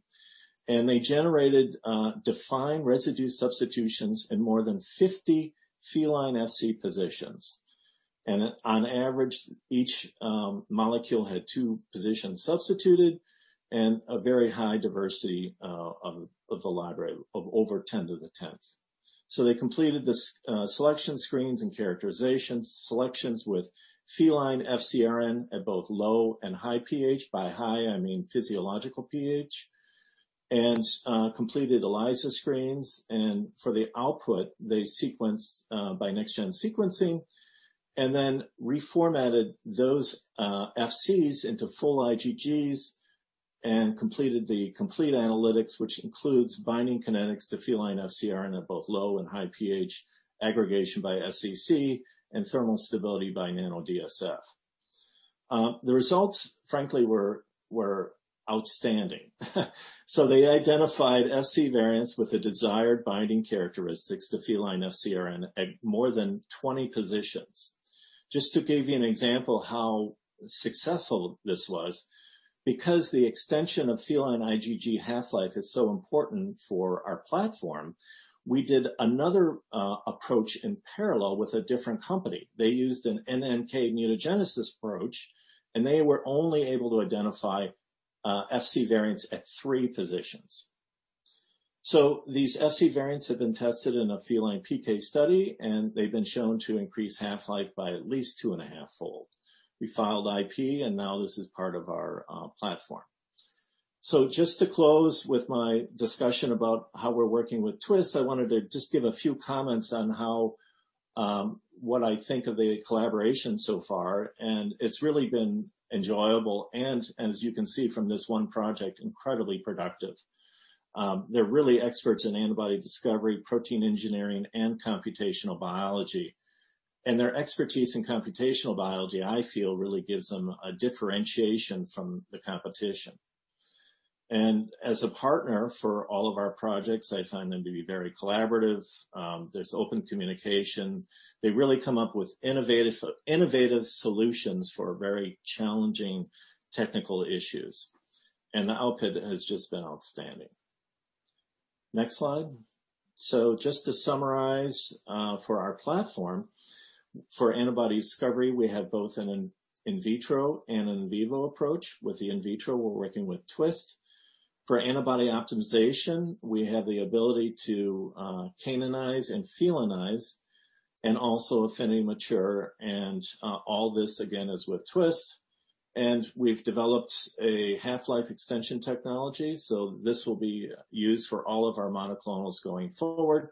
they generated defined residue substitutions in more than 50 feline Fc positions. On average, each molecule had two positions substituted and a very high diversity of the library of over 10 to the 10th. They completed the selection screens and characterizations, selections with feline FcRn at both low and high pH. By high, I mean physiological pH, and completed ELISA screens. For the output, they sequenced by next gen sequencing and then reformatted those Fcs into full IgGs and completed the complete analytics, which includes binding kinetics to feline FcRn at both low and high pH, aggregation by SEC, and thermal stability by nanoDSF. The results, frankly, were outstanding. They identified Fc variants with the desired binding characteristics to feline FcRn at more than 20 positions. Just to give you an example how successful this was, because the extension of feline IgG half-life is so important for our platform, we did another approach in parallel with a different company. They used an NNK mutagenesis approach, and they were only able to identify Fc variants at three positions. These Fc variants have been tested in a feline PK study, and they've been shown to increase half-life by at least two and a half fold. We filed IP, and now this is part of our platform. Just to close with my discussion about how we're working with Twist, I wanted to just give a few comments on what I think of the collaboration so far, and it's really been enjoyable and, as you can see from this one project, incredibly productive. They're really experts in antibody discovery, protein engineering, and computational biology. Their expertise in computational biology, I feel, really gives them a differentiation from the competition. As a partner for all of our projects, I find them to be very collaborative. There's open communication. They really come up with innovative solutions for very challenging technical issues, and the output has just been outstanding. Next slide. Just to summarize for our platform, for antibody discovery, we have both an in vitro and in vivo approach. With the in vitro, we're working with Twist. For antibody optimization, we have the ability to caninize and felinize and also affinity mature, and all this again is with Twist. We've developed a half-life extension technology, so this will be used for all of our monoclonals going forward.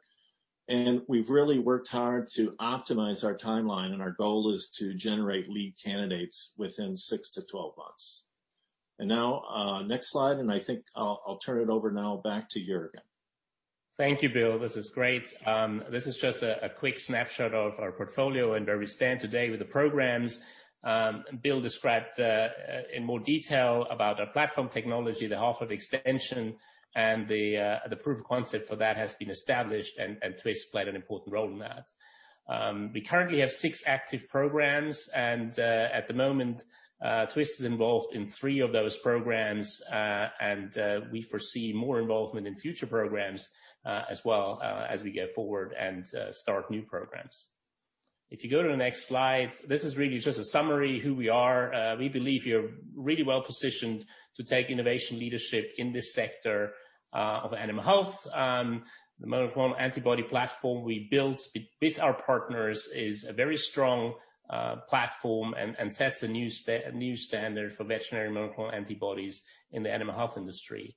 We've really worked hard to optimize our timeline, and our goal is to generate lead candidates within 6-12 months. Now, next slide, and I think I'll turn it over now back to Jürgen. Thank you, Bill. This is great. This is just a quick snapshot of our portfolio and where we stand today with the programs. Bill described in more detail about our platform technology, the half-life extension, and the proof of concept for that has been established, and Twist played an important role in that. We currently have six active programs, and at the moment, Twist is involved in three of those programs. We foresee more involvement in future programs as well as we go forward and start new programs. If you go to the next slide, this is really just a summary who we are. We believe we are really well positioned to take innovation leadership in this sector of animal health. The monoclonal antibody platform we built with our partners is a very strong platform and sets a new standard for veterinary monoclonal antibodies in the animal health industry.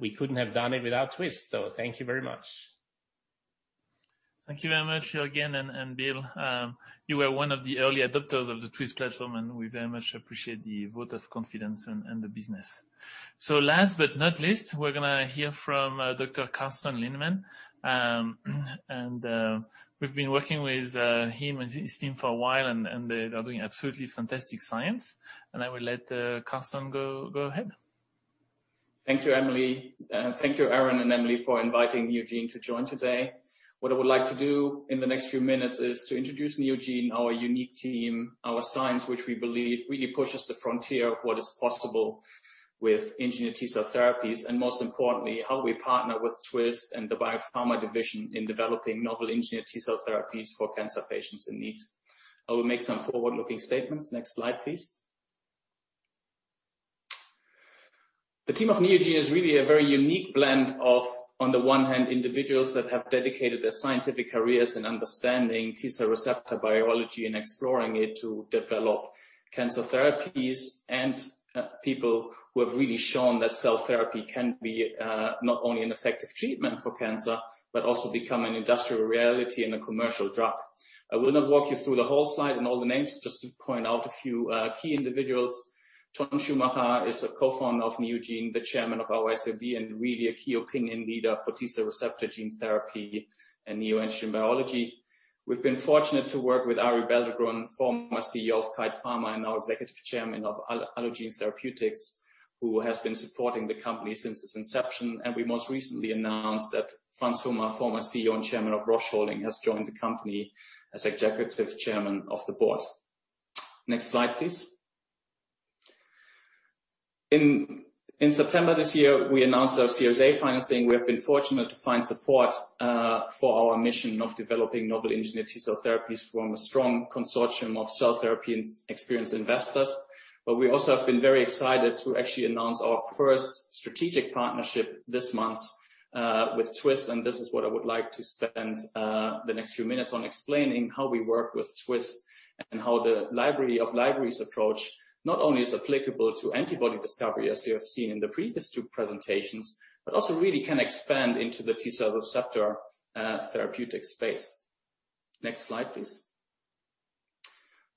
We couldn't have done it without Twist. Thank you very much. Thank you very much, Jürgen and Bill. You were one of the early adopters of the Twist platform, and we very much appreciate the vote of confidence and the business. Last but not least, we're going to hear from Dr. Carsten Linnemann. We've been working with him and his team for a while, and they are doing absolutely fantastic science. I will let Carsten go ahead. Thank you, Emily. Thank you, Aaron and Emily, for inviting Neogene to join today. What I would like to do in the next few minutes is to introduce Neogene, our unique team, our science, which we believe really pushes the frontier of what is possible with engineered T-cell therapies, and most importantly, how we partner with Twist and the Biopharma division in developing novel engineered T-cell therapies for cancer patients in need. I will make some forward-looking statements. Next slide, please. The team of Neogene is really a very unique blend of, on the one hand, individuals that have dedicated their scientific careers in understanding T-cell receptor biology and exploring it to develop cancer therapies, and people who have really shown that cell therapy can be not only an effective treatment for cancer, but also become an industrial reality and a commercial drug. I will not walk you through the whole slide and all the names, just to point out a few key individuals. Ton Schumacher is a co-founder of Neogene, the Chairman of our SAB, and really a key opinion leader for T-cell receptor gene therapy and neoantigen biology. We've been fortunate to work with Arie Belldegrun, former CEO of Kite Pharma and now Executive Chairman of Allogene Therapeutics, who has been supporting the company since its inception. We most recently announced that Franz Humer, former CEO and Chairman of Roche Holding, has joined the company as Executive Chairman of the Board. Next slide, please. In September this year, we announced our Series A financing. We have been fortunate to find support for our mission of developing novel engineered T-cell therapies from a strong consortium of cell therapy experienced investors. We also have been very excited to actually announce our first strategic partnership this month with Twist, and this is what I would like to spend the next few minutes on explaining how we work with Twist and how the library of libraries approach not only is applicable to antibody discovery as you have seen in the previous two presentations, but also really can expand into the T-cell receptor therapeutic space. Next slide, please.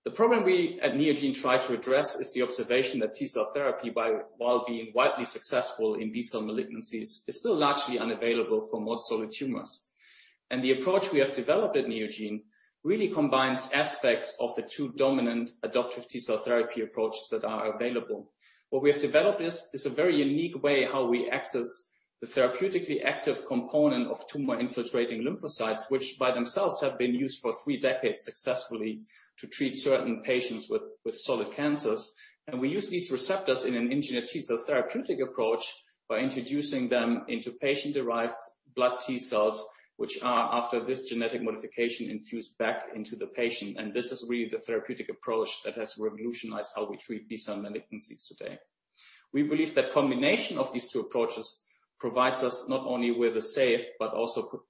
The problem we at Neogene try to address is the observation that T-cell therapy, while being widely successful in B-cell malignancies, is still largely unavailable for most solid tumors. The approach we have developed at Neogene really combines aspects of the two dominant adoptive T-cell therapy approaches that are available. What we have developed is a very unique way how we access the therapeutically active component of tumor-infiltrating lymphocytes, which by themselves have been used for three decades successfully to treat certain patients with solid cancers. We use these receptors in an engineered T-cell therapeutic approach by introducing them into patient-derived blood T-cells, which are, after this genetic modification, infused back into the patient. This is really the therapeutic approach that has revolutionized how we treat B-cell malignancies today. We believe that combination of these two approaches provides us not only with a safe but also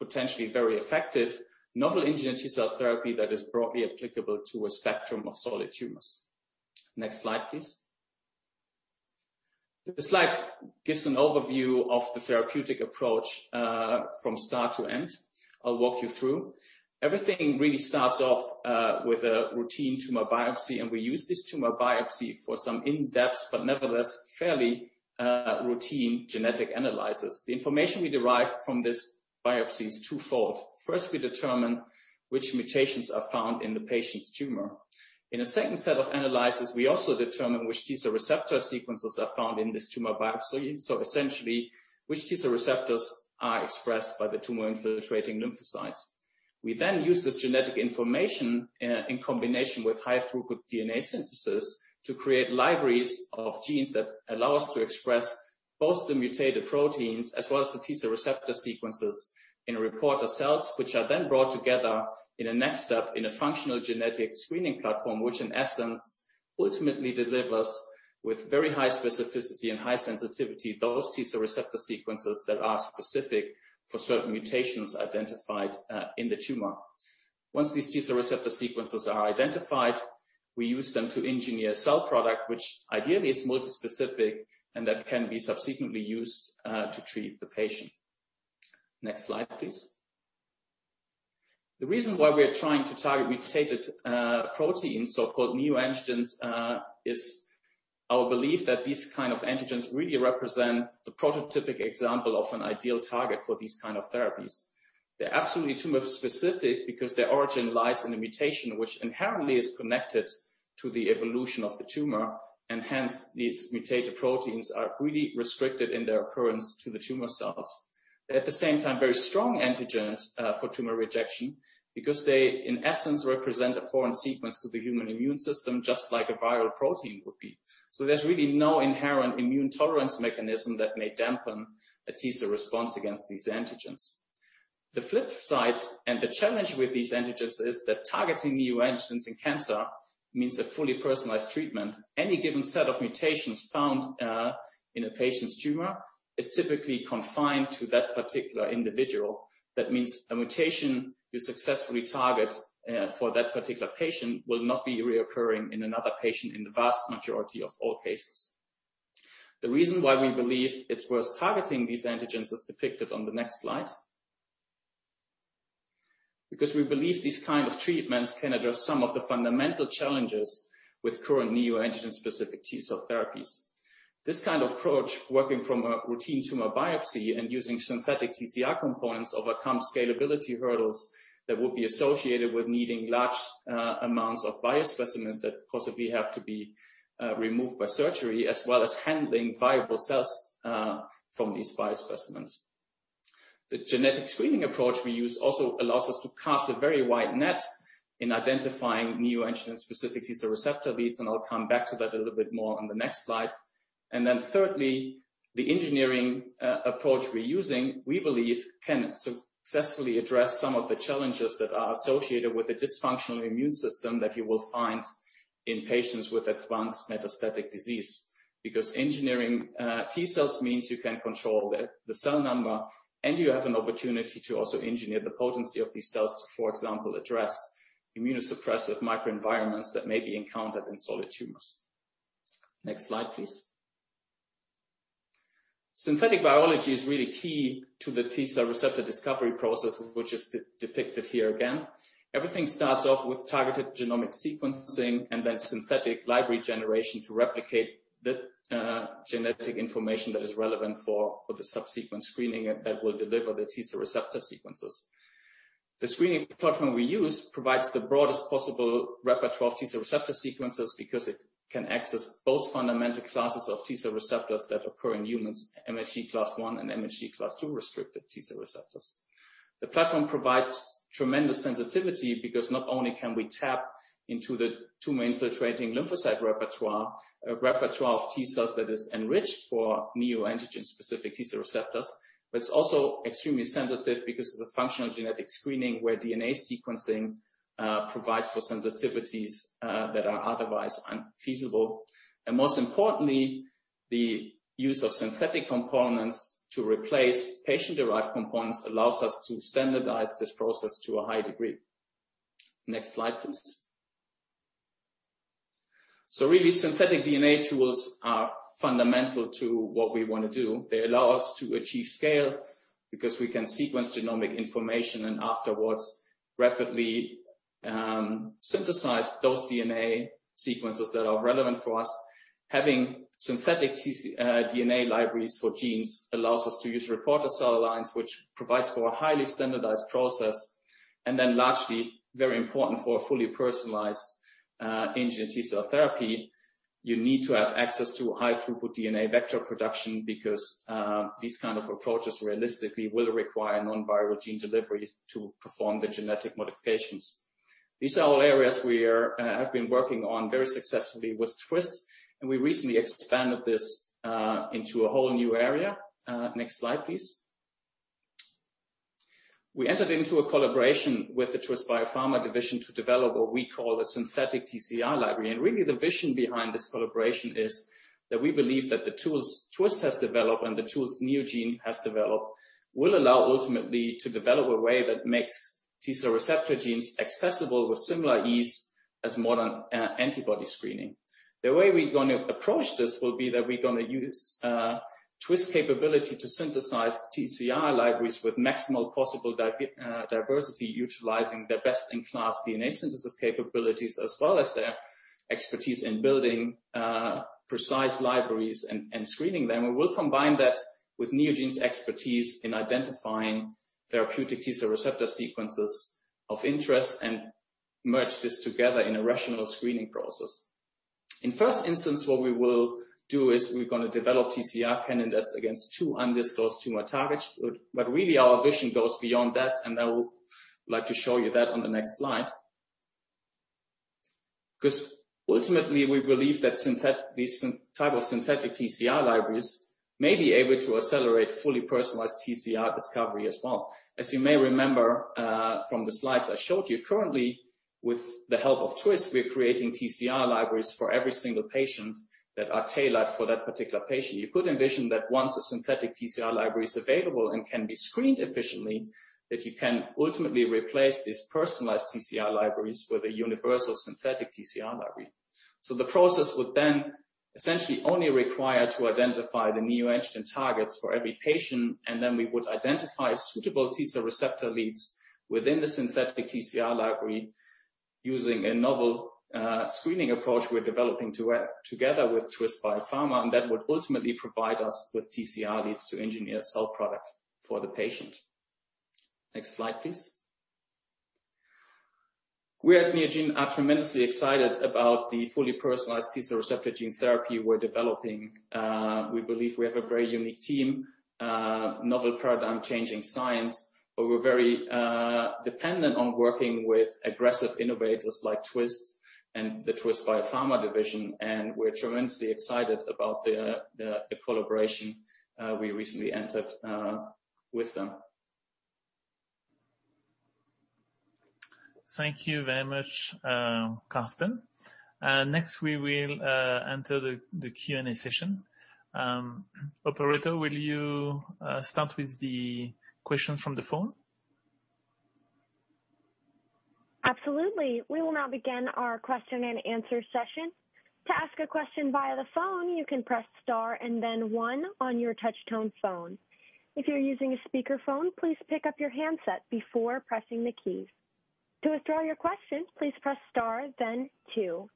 potentially very effective novel engineered T-cell therapy that is broadly applicable to a spectrum of solid tumors. Next slide, please. This slide gives an overview of the therapeutic approach from start to end. I'll walk you through. Everything really starts off with a routine tumor biopsy, and we use this tumor biopsy for some in-depth, but nevertheless, fairly routine genetic analysis. The information we derive from this biopsy is twofold. First, we determine which mutations are found in the patient's tumor. In a second set of analysis, we also determine which T-cell receptor sequences are found in this tumor biopsy. Essentially, which T-cell receptors are expressed by the tumor-infiltrating lymphocytes. We then use this genetic information in combination with high-throughput DNA synthesis to create libraries of genes that allow us to express both the mutated proteins as well as the T-cell receptor sequences in reporter cells, which are then brought together in a next step in a functional genetic screening platform, which in essence, ultimately delivers with very high specificity and high sensitivity those T-cell receptor sequences that are specific for certain mutations identified in the tumor. Once these T-cell receptor sequences are identified, we use them to engineer a cell product, which ideally is multispecific and that can be subsequently used to treat the patient. Next slide, please. The reason why we are trying to target mutated proteins, so-called neoantigens, is our belief that these kinds of antigens really represent the prototypic example of an ideal target for these kinds of therapies. They're absolutely tumor-specific because their origin lies in the mutation, which inherently is connected to the evolution of the tumor, and hence, these mutated proteins are really restricted in their occurrence to the tumor cells. They're at the same time very strong antigens for tumor rejection because they, in essence, represent a foreign sequence to the human immune system, just like a viral protein would be. There's really no inherent immune tolerance mechanism that may dampen a T-cell response against these antigens. The flip side and the challenge with these antigens is that targeting neoantigens in cancer means a fully personalized treatment. Any given set of mutations found in a patient's tumor is typically confined to that particular individual. That means a mutation you successfully target for that particular patient will not be reoccurring in another patient in the vast majority of all cases. The reason why we believe it's worth targeting these antigens is depicted on the next slide. We believe these kind of treatments can address some of the fundamental challenges with current neoantigen-specific T-cell therapies. This kind of approach, working from a routine tumor biopsy and using synthetic TCR components, overcomes scalability hurdles that would be associated with needing large amounts of biospecimens that possibly have to be removed by surgery, as well as handling viable cells from these biospecimens. The genetic screening approach we use also allows us to cast a very wide net in identifying neoantigen-specific T-cell receptor leads, and I'll come back to that a little bit more on the next slide. Thirdly, the engineering approach we're using, we believe can successfully address some of the challenges that are associated with a dysfunctional immune system that you will find in patients with advanced metastatic disease. Engineering t cells means you can control the cell number, and you have an opportunity to also engineer the potency of these cells to, for example, address immunosuppressive microenvironments that may be encountered in solid tumors. Next slide, please. Synthetic biology is really key to the t cell receptor discovery process, which is depicted here again. Everything starts off with targeted genomic sequencing and then synthetic library generation to replicate the genetic information that is relevant for the subsequent screening that will deliver the t cell receptor sequences. The screening platform we use provides the broadest possible repertoire of T cell receptor sequences because it can access both fundamental classes of T cell receptors that occur in humans, MHC class I and MHC class II-restricted T cell receptors. The platform provides tremendous sensitivity because not only can we tap into the tumor-infiltrating lymphocyte repertoire, a repertoire of T cells that is enriched for neoantigen-specific T cell receptors, but it's also extremely sensitive because of the functional genetic screening where DNA sequencing provides for sensitivities that are otherwise unfeasible. Most importantly, the use of synthetic components to replace patient-derived components allows us to standardize this process to a high degree. Next slide, please. Really, synthetic DNA tools are fundamental to what we want to do. They allow us to achieve scale because we can sequence genomic information and afterwards rapidly synthesize those DNA sequences that are relevant for us. Having synthetic DNA libraries for genes allows us to use reporter cell lines, which provides for a highly standardized process, and then largely very important for a fully personalized Neogene T cell therapy. You need to have access to high throughput DNA vector production because these kind of approaches realistically will require non-viral gene delivery to perform the genetic modifications. These are all areas we have been working on very successfully with Twist, we recently expanded this into a whole new area. Next slide, please. We entered into a collaboration with the Twist Biopharma division to develop what we call a synthetic TCR library. Really the vision behind this collaboration is that we believe that the tools Twist has developed and the tools Neogene has developed will allow ultimately to develop a way that makes T cell receptor genes accessible with similar ease as modern antibody screening. The way we're going to approach this will be that we're going to use Twist capability to synthesize TCR libraries with maximal possible diversity, utilizing their best-in-class DNA synthesis capabilities, as well as their expertise in building precise libraries and screening them. We'll combine that with Neogene's expertise in identifying therapeutic T cell receptor sequences of interest and merge this together in a rational screening process. In first instance, what we will do is we're going to develop TCR candidates against two undisclosed tumor targets. Really our vision goes beyond that, and I would like to show you that on the next slide. Because ultimately, we believe that these type of synthetic TCR libraries may be able to accelerate fully personalized TCR discovery as well. As you may remember from the slides I showed you, currently with the help of Twist, we are creating TCR libraries for every single patient that are tailored for that particular patient. You could envision that once a synthetic TCR library is available and can be screened efficiently, that you can ultimately replace these personalized TCR libraries with a universal synthetic TCR library. The process would then essentially only require to identify the neoantigen targets for every patient, and then we would identify suitable T cell receptor leads within the synthetic TCR library using a novel screening approach we're developing together with Twist Biopharma. That would ultimately provide us with TCR leads to engineer a cell product for the patient. Next slide, please. We at Neogene are tremendously excited about the fully personalized T cell receptor gene therapy we're developing. We believe we have a very unique team, a novel paradigm-changing science, but we're very dependent on working with aggressive innovators like Twist and the Twist Biopharma division, and we're tremendously excited about the collaboration we recently entered with them. Thank you very much, Carsten. Next, we will enter the Q&A session. Operator, will you start with the questions from the phone? Absolutely. We will now begin our question and answer session. To ask a question via the phone, you can press star and then one on your touch-tone phone. If you're using a speakerphone, please pick up your handset before pressing the keys. To withdraw your question, please press star, then two.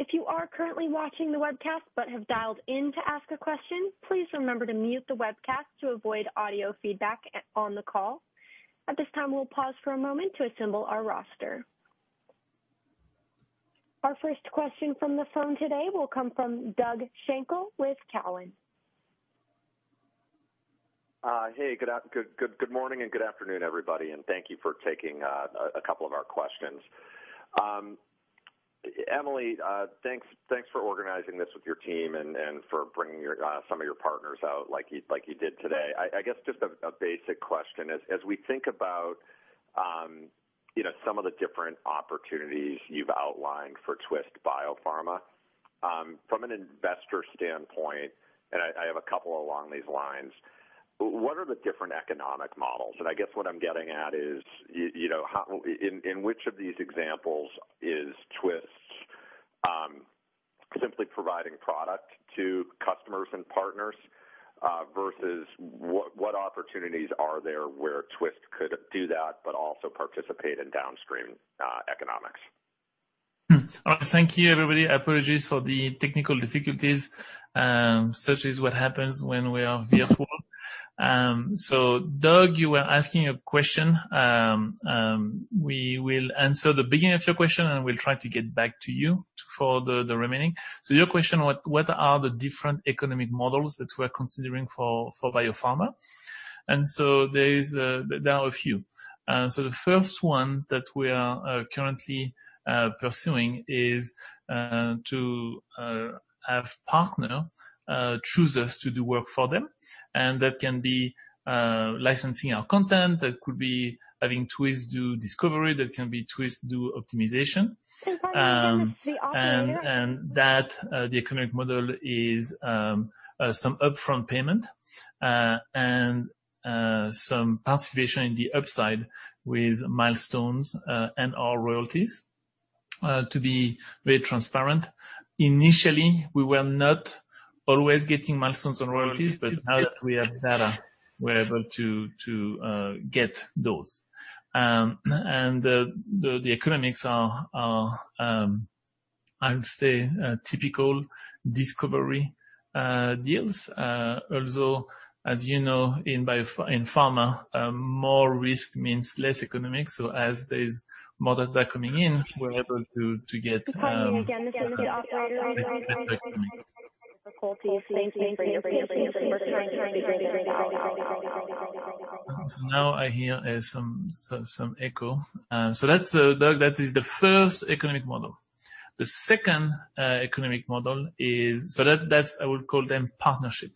If you are currently watching the webcast but have dialed in to ask a question, please remember to mute the webcast to avoid audio feedback on the call. At this time, we'll pause for a moment to assemble our roster. Our first question from the phone today will come from Doug Schenkel with Cowen. Hey, good morning and good afternoon, everybody, thank you for taking a couple of our questions. Emily, thanks for organizing this with your team for bringing some of your partners out like you did today. I guess just a basic question. As we think about some of the different opportunities you've outlined for Twist Biopharma. From an investor standpoint, I have a couple along these lines, what are the different economic models? I guess what I'm getting at is, in which of these examples is Twist simply providing product to customers and partners, versus what opportunities are there where Twist could do that but also participate in downstream economics? Thank you, everybody. Apologies for the technical difficulties. Such is what happens when we are virtual. Doug, you were asking a question. We will answer the beginning of your question, and we'll try to get back to you for the remaining. Your question, what are the different economic models that we're considering for Biopharma? There are a few. The first one that we are currently pursuing is to have partner choose us to do work for them, and that can be licensing our content, that could be having Twist do discovery, that can be Twist do optimization. That the economic model is some upfront payment, and some participation in the upside with milestones, and/or royalties. To be very transparent, initially, we were not always getting milestones and royalties, but now that we have data, we're able to get those. The economics are, I would say, typical discovery deals. Although, as you know, in pharma, more risk means less economics. As there is more of that coming in, we're able to get. Again, this is the operator. Difficulties. Thank you for your patience. We're trying to figure this out. Now I hear some echo. Doug, that is the first economic model. The second economic model is that, I would call them partnership.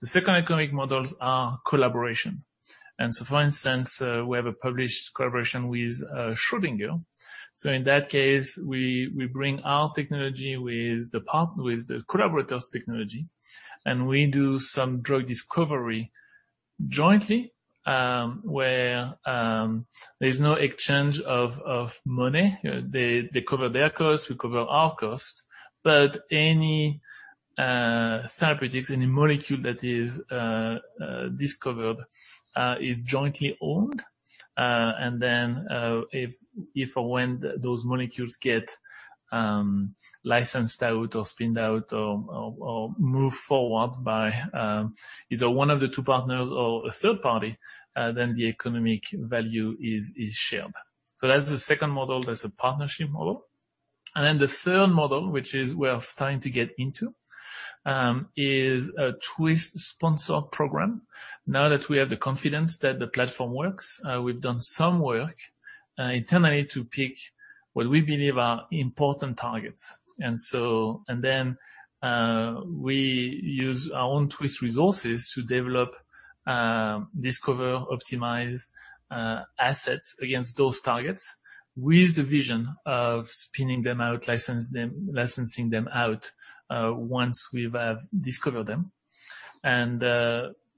The second economic models are collaboration. For instance, we have a published collaboration with Schrödinger. In that case, we bring our technology with the collaborator's technology, and we do some drug discovery jointly, where there's no exchange of money. They cover their cost, we cover our cost. Any therapeutics, any molecule that is discovered, is jointly owned. If or when those molecules get licensed out or spinned out or move forward by either one of the two partners or a third party, then the economic value is shared. That's the second model. That's a partnership model. The third model, which we are starting to get into, is a Twist-sponsored program. We have the confidence that the platform works, we've done some work internally to pick what we believe are important targets. We use our own Twist resources to develop, discover, optimize assets against those targets with the vision of spinning them out, licensing them out once we have discovered them.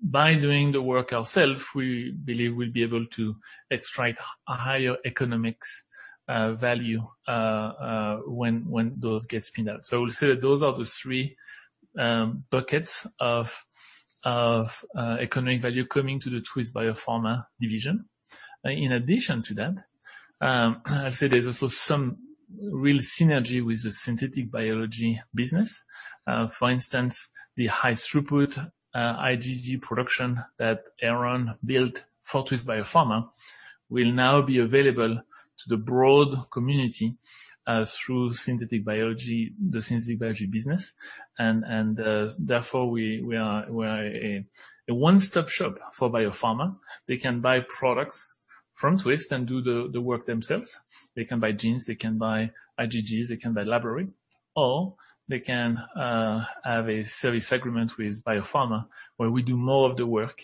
By doing the work ourself, we believe we'll be able to extract a higher economics value when those get spinned out. I will say that those are the three buckets of economic value coming to the Twist Biopharma division. In addition to that, I'd say there's also some real synergy with the synthetic biology business. For instance, the high throughput IgG production that Aaron built for Twist Biopharma will now be available to the broad community through the synthetic biology business. Therefore, we are a one-stop shop for Biopharma. They can buy products from Twist and do the work themselves. They can buy genes, they can buy IgGs, they can buy library, or they can have a service agreement with Biopharma where we do more of the work,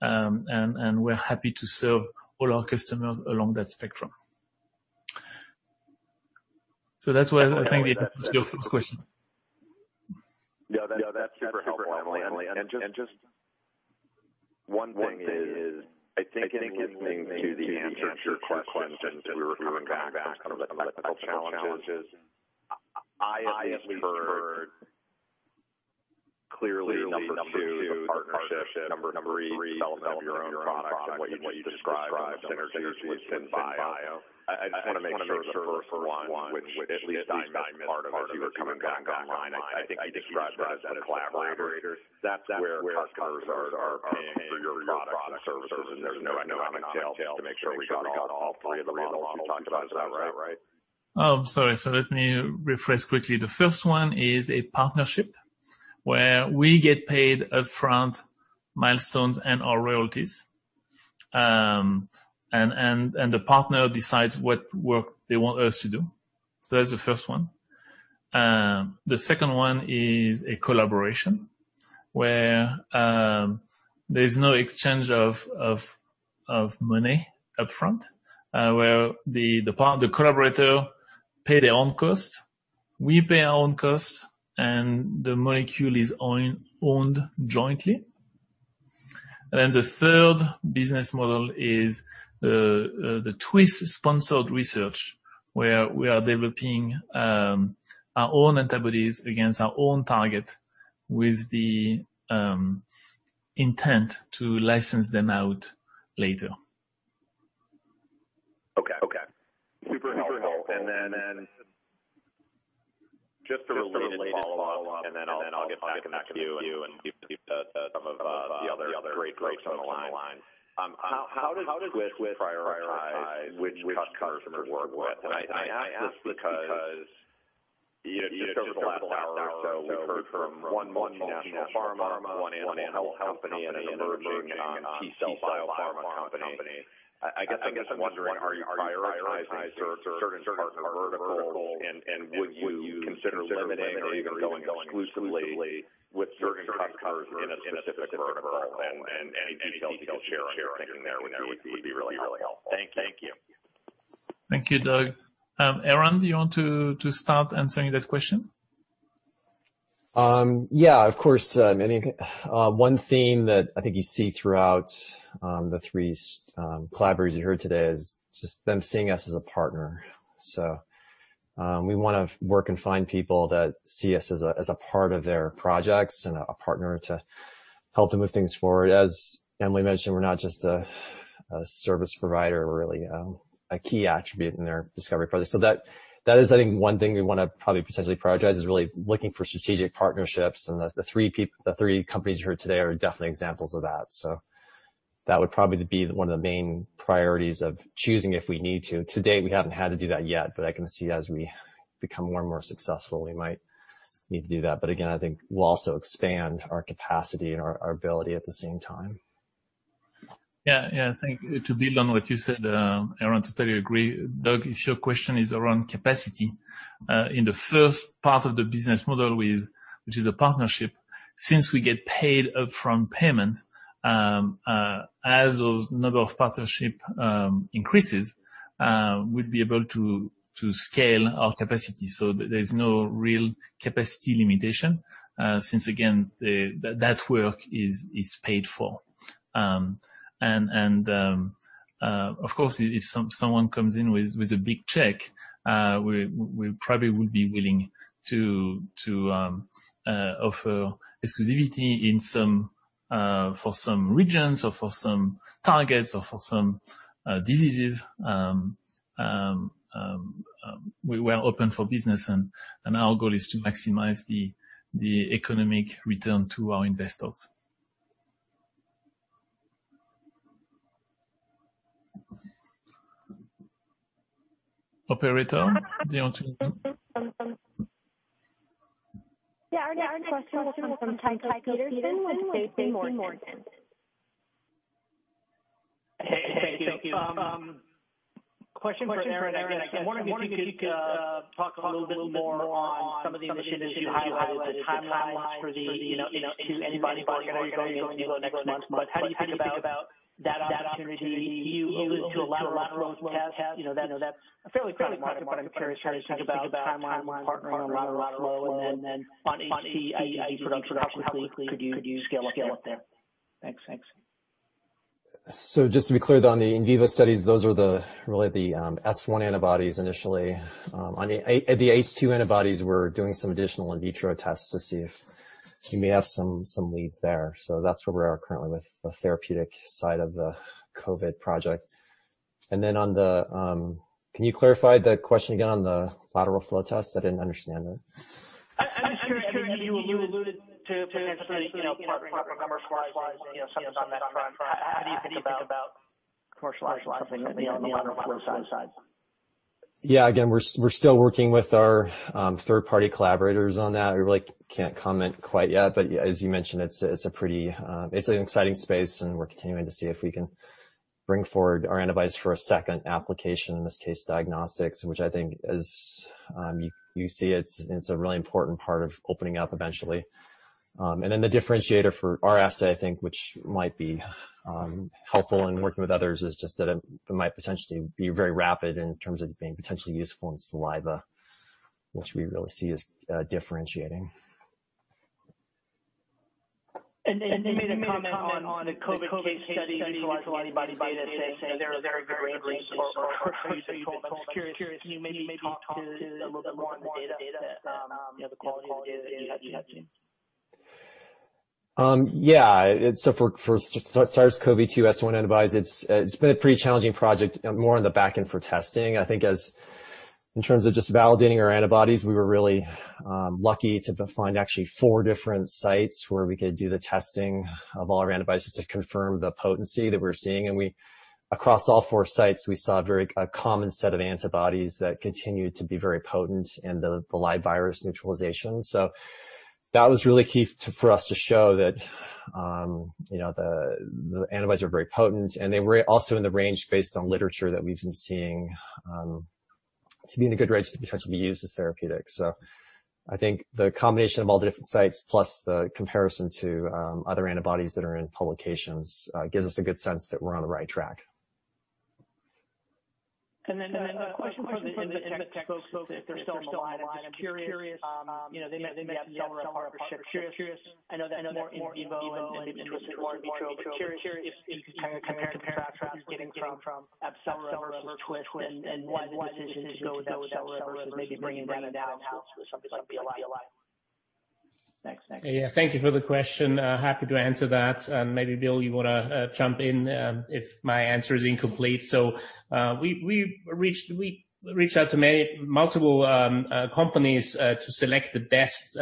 and we're happy to serve all our customers along that spectrum. That's what I think answers your first question. Yeah, that's super helpful, Emily. Just one thing is, I think in listening to the answers to your questions as we were coming back from the technical challenges, I at least heard clearly number two, the partnership, number three, development of your own product and what you just described in the synergies with Synbio. I just want to make sure the first one, which at least I missed part of as you were coming back online, I think you described it as a collaborator. That's where customers are paying for your products and services, and there's no economic tail. Just to make sure we got all three of the models you talked about. Is that right? Oh, sorry. Let me rephrase quickly. The first one is a partnership, where we get paid upfront milestones and/or royalties. The partner decides what work they want us to do. That's the first one. The second one is a collaboration, where there's no exchange of money upfront, where the collaborator pays their own cost, we pay our own cost, and the molecule is owned jointly. The third business model is the Twist-sponsored research, where we are developing our own antibodies against our own target with the intent to license them out later. Okay. Super helpful. Just a related follow-up, then I'll get back into the queue and do some of the other great folks on the line. How does Twist prioritize which customers to work with? I ask this because just over the last hour or so, we've heard from one multinational pharma, one animal health company, and an emerging T-cell style pharma company. I guess I'm just wondering, are you prioritizing certain parts of vertical, and would you consider limiting or even going exclusively with certain customers in a specific vertical? Any details you could share on your thinking there would be really helpful. Thank you. Thank you, Doug. Aaron, do you want to start answering that question? Yeah, of course. One theme that I think you see throughout the three collaborators you heard today is just them seeing us as a partner. We want to work and find people that see us as a part of their projects and a partner to help them move things forward. As Emily mentioned, we're not just a service provider, we're really a key attribute in their discovery project. That is, I think, one thing we want to probably potentially prioritize, is really looking for strategic partnerships. The three companies you heard today are definitely examples of that. That would probably be one of the main priorities of choosing if we need to. Today, we haven't had to do that yet, but I can see as we become more and more successful, we might need to do that. Again, I think we'll also expand our capacity and our ability at the same time. Yeah. I think to build on what you said, Aaron Sato, totally agree. Doug Schenkel, if your question is around capacity, in the first part of the business model, which is a partnership, since we get paid upfront payment, as those number of partnership increases, we'd be able to scale our capacity. There's no real capacity limitation, since again, that work is paid for. Of course, if someone comes in with a big check, we probably would be willing to offer exclusivity for some regions or for some targets or for some diseases. We are open for business, and our goal is to maximize the economic return to our investors. Operator, do you want to? Yeah. Our next question will come from Tycho Peterson with JPMorgan. Hey, thank you. Question for Aaron, I guess. I was wondering if you could talk a little bit more on some of the initiatives you highlighted, the timelines for the ACE2 antibody program. Are you going into the clinic next month? How do you think about that opportunity? You alluded to a lateral flow test. That's fairly product market, but I'm curious how you think about timeline partnering on lateral flow, and then on ACE2 production, how quickly could you scale up there? Thanks. Just to be clear, on the in vivo studies, those are really the S1 antibodies initially. On the ACE2 antibodies, we're doing some additional in vitro tests to see if we may have some leads there. That's where we are currently with the therapeutic side of the COVID project. Can you clarify the question again on the lateral flow test? I didn't understand that. I'm just curious because you alluded to potentially partnering up commercializing something on that front. How do you think about commercializing something on the lateral flow side? Yeah. Again, we're still working with our third party collaborators on that. We really can't comment quite yet, but as you mentioned, it's an exciting space and we're continuing to see if we can bring forward our antibodies for a second application, in this case diagnostics. Which I think, as you see, it's a really important part of opening up eventually. The differentiator for our assay, I think, which might be helpful in working with others, is just that it might potentially be very rapid in terms of being potentially useful in saliva, which we really see as differentiating. They made a comment on the COVID case study using antibody data, saying that they're very [greatly sourced or produced]. I'm just curious, can you maybe talk to a little bit more on the data, the quality of the data that you have seen? Yeah. For SARS-CoV-2 S1 antibodies, it's been a pretty challenging project, more on the back end for testing. I think as in terms of just validating our antibodies, we were really lucky to find actually four different sites where we could do the testing of all our antibodies to confirm the potency that we're seeing. Across all four sites, we saw a very common set of antibodies that continued to be very potent in the live virus neutralization. That was really key for us to show that the antibodies are very potent, and they were also in the range based on literature that we've been seeing to be in a good range to potentially be used as therapeutics. I think the combination of all the different sites plus the comparison to other antibodies that are in publications gives us a good sense that we're on the right track. A question for the Invetx folks, if they're still on the line. I'm just curious, they mentioned the AbCellera partnership. Curious, I know that's more in vivo and they've used this largely in vitro, but curious if you can kind of compare and contrast what you're getting from AbCellera versus Twist and why the decision to go with AbCellera as maybe bringing that analysis or something like BLI. Thanks. Thank you for the question. Happy to answer that. Maybe Bill, you want to jump in if my answer is incomplete. We reached out to multiple companies to select the best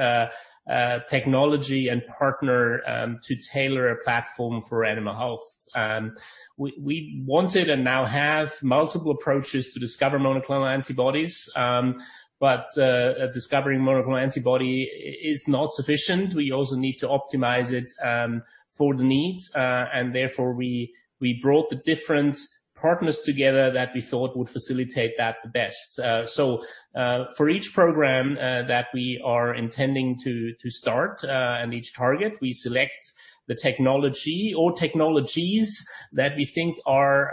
technology and partner to tailor a platform for animal health. We wanted and now have multiple approaches to discover monoclonal antibodies. Discovering monoclonal antibody is not sufficient. We also need to optimize it for the needs. Therefore, we brought the different partners together that we thought would facilitate that the best. For each program that we are intending to start and each target, we select the technology or technologies that we think are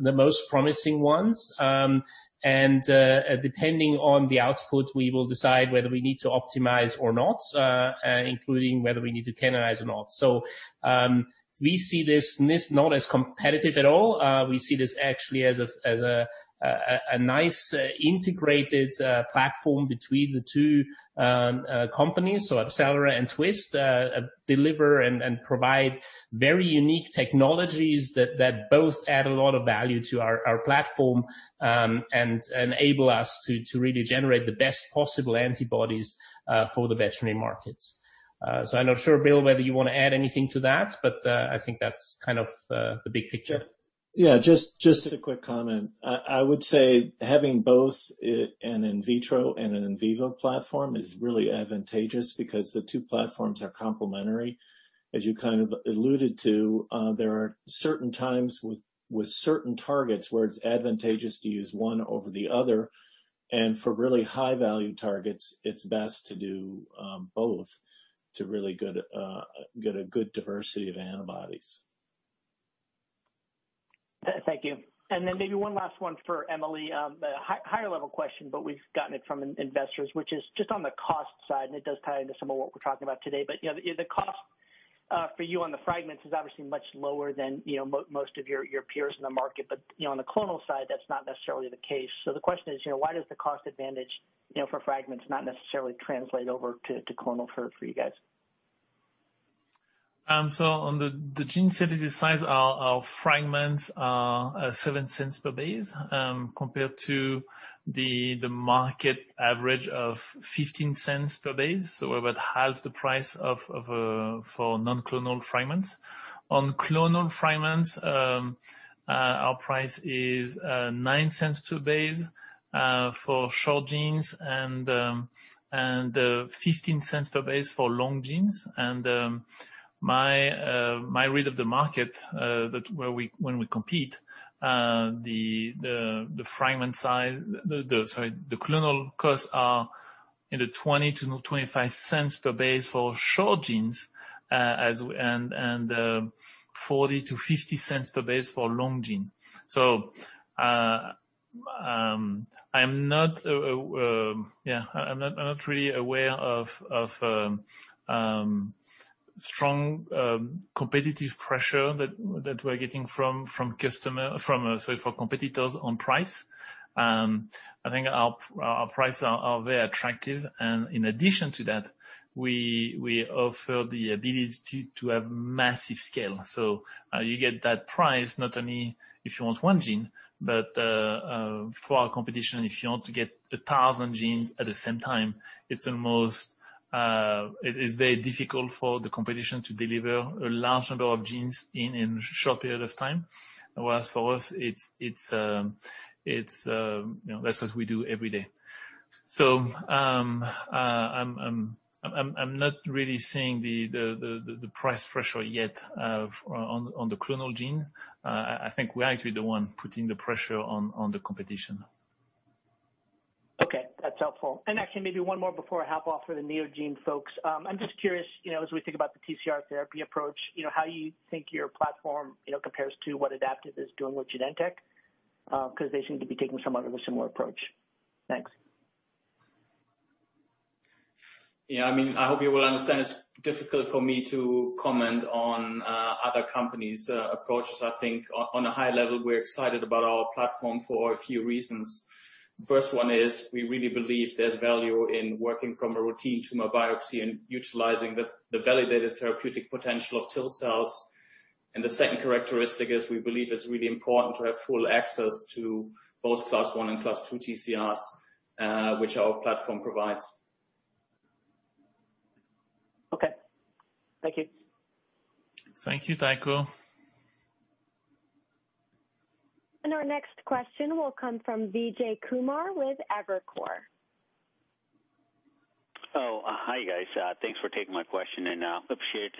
the most promising ones. Depending on the output, we will decide whether we need to optimize or not, including whether we need to caninize or not. We see this not as competitive at all. We see this actually as a nice integrated platform between the two companies. AbCellera and Twist deliver and provide very unique technologies that both add a lot of value to our platform and enable us to really generate the best possible antibodies for the veterinary markets. I'm not sure, Bill, whether you want to add anything to that, but I think that's kind of the big picture. Yeah. Just a quick comment. I would say having both an in vitro and an in vivo platform is really advantageous because the two platforms are complementary. As you kind of alluded to, there are certain times with certain targets where it's advantageous to use one over the other, and for really high-value targets, it's best to do both to really get a good diversity of antibodies. Thank you. Then maybe one last one for Emily. A higher level question, we've gotten it from investors, which is just on the cost side, and it does tie into some of what we're talking about today. The cost for you on the fragments is obviously much lower than most of your peers in the market. On the clonal side, that's not necessarily the case. The question is why does the cost advantage for fragments not necessarily translate over to clonal for you guys? On the gene synthesis side, our fragments are $0.07 per base compared to the market average of $0.15 per base. About half the price for non-clonal fragments. On clonal fragments, our price is $0.09 per base for short genes and $0.15 per base for long genes. My read of the market when we compete, the clonal costs are in the $0.20-$0.25 per base for short genes and $0.40-$0.50 per base for long gene. I'm not really aware of strong competitive pressure that we're getting from competitors on price. I think our prices are very attractive, and in addition to that, we offer the ability to have massive scale. You get that price not only if you want one gene, but for our competition, if you want to get 1,000 genes at the same time, it is very difficult for the competition to deliver a large number of genes in a short period of time. Whereas for us, that's what we do every day. I'm not really seeing the price pressure yet on the clonal gene. I think we are actually the one putting the pressure on the competition. Okay, that's helpful. Actually, maybe one more before I hop off for the Neogene folks. I'm just curious, as we think about the TCR therapy approach, how you think your platform compares to what Adaptive is doing with Genentech, because they seem to be taking somewhat of a similar approach. Thanks. Yeah, I hope you will understand it's difficult for me to comment on other companies' approaches. I think on a high level, we're excited about our platform for a few reasons. First one is we really believe there's value in working from a routine tumor biopsy and utilizing the validated therapeutic potential of TIL cells. And the second characteristic is we believe it's really important to have full access to both class I and class II TCRs, which our platform provides. Okay. Thank you. Thank you, Tycho. Our next question will come from Vijay Kumar with Evercore. Hi, guys. Thanks for taking my question. Appreciate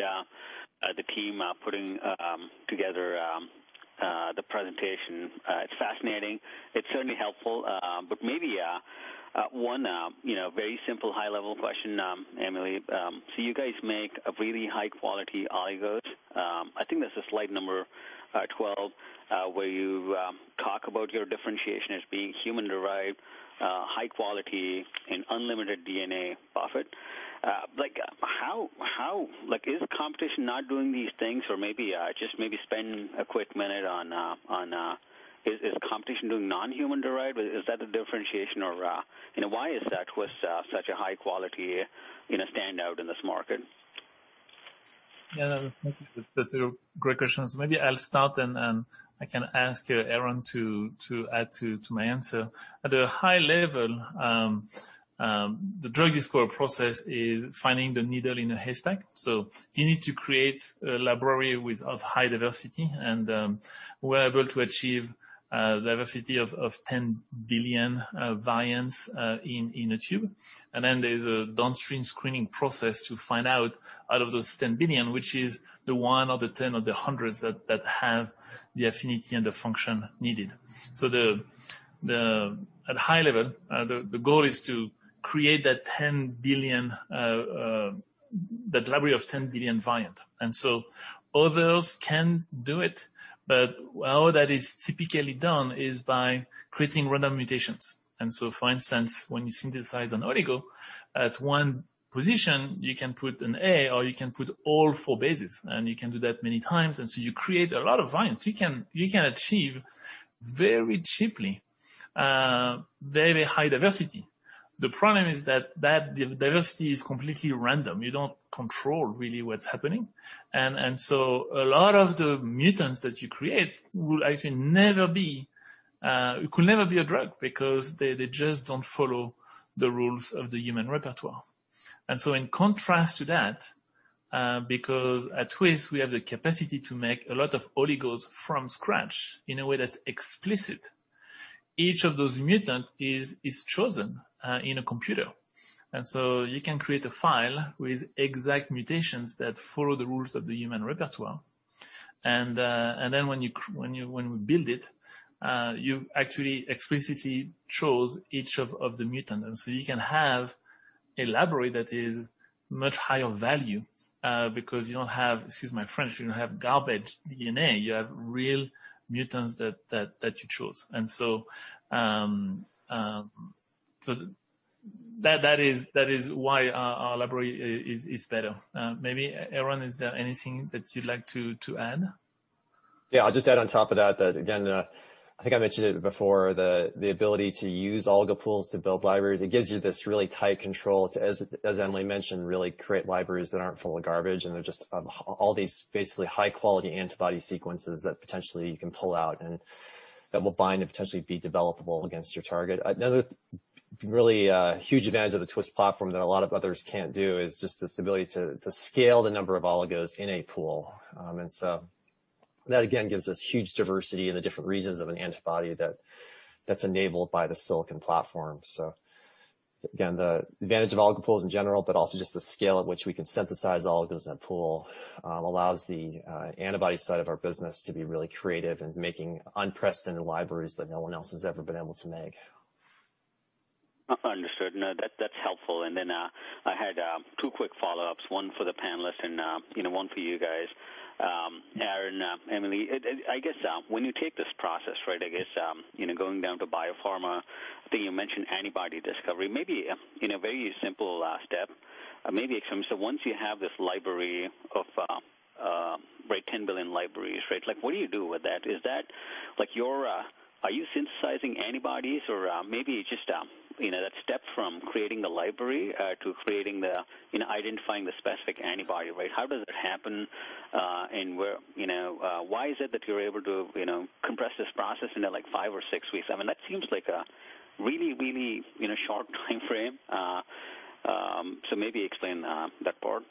the team putting together the presentation. It's fascinating. It's certainly helpful. Maybe one very simple high-level question, Emily. You guys make really high-quality oligos. I think that's slide number 12 where you talk about your differentiation as being human-derived, high quality, and unlimited DNA buffet. Is competition not doing these things? Maybe just spend a quick minute on, is competition doing non-human derived? Is that the differentiation, or why is that with such a high quality going to stand out in this market? Yeah, that's a great question. Maybe I'll start, and I can ask Aaron Sato to add to my answer. At a high level, the drug discovery process is finding the needle in a haystack. You need to create a library of high diversity, and we're able to achieve a diversity of 10 billion variants in a tube. Then there's a downstream screening process to find out of those 10 billion, which is the one or the 10 or the hundreds that have the affinity and the function needed. At a high level, the goal is to create that library of 10 billion variants. Others can do it, but how that is typically done is by creating random mutations. For instance, when you synthesize an oligo at one position, you can put an A, or you can put all four bases, and you can do that many times. You create a lot of variants. You can achieve very cheaply very high diversity. The problem is that the diversity is completely random. You don't control really what's happening. A lot of the mutants that you create could never be a drug because they just don't follow the rules of the human repertoire. In contrast to that, because at Twist, we have the capacity to make a lot of oligos from scratch in a way that's explicit. Each of those mutants is chosen in a computer. You can create a file with exact mutations that follow the rules of the human repertoire. When we build it, you actually explicitly chose each of the mutants. You can have a library that is much higher value because you don't have, excuse my French, you don't have garbage DNA. You have real mutants that you chose. That is why our library is better. Maybe, Aaron, is there anything that you'd like to add? Yeah, I'll just add on top of that, again, I think I mentioned it before, the ability to use Oligo Pools to build libraries. It gives you this really tight control to, as Emily mentioned, really create libraries that aren't full of garbage, and they're just all these basically high-quality antibody sequences that potentially you can pull out and that will bind and potentially be developable against your target. Another really huge advantage of the Twist platform that a lot of others can't do is just this ability to scale the number of oligos in a pool. That again gives us huge diversity in the different regions of an antibody that's enabled by the Silicon platform. Again, the advantage of Oligo Pools in general, but also just the scale at which we can synthesize oligos in a pool allows the antibody side of our business to be really creative in making unprecedented libraries that no one else has ever been able to make. Understood. No, that's helpful. I had two quick follow-ups, one for the panelist and one for you guys. Aaron Sato, Emily, I guess when you take this process, I guess going down to biopharma, I think you mentioned antibody discovery. Maybe in a very simple step, maybe explain, so once you have this library of 10 billion libraries, what do you do with that? Are you synthesizing antibodies, or maybe just that step from creating the library to identifying the specific antibody? How does that happen? Why is it that you're able to compress this process into five or six weeks? That seems like a really short timeframe. Maybe explain that part.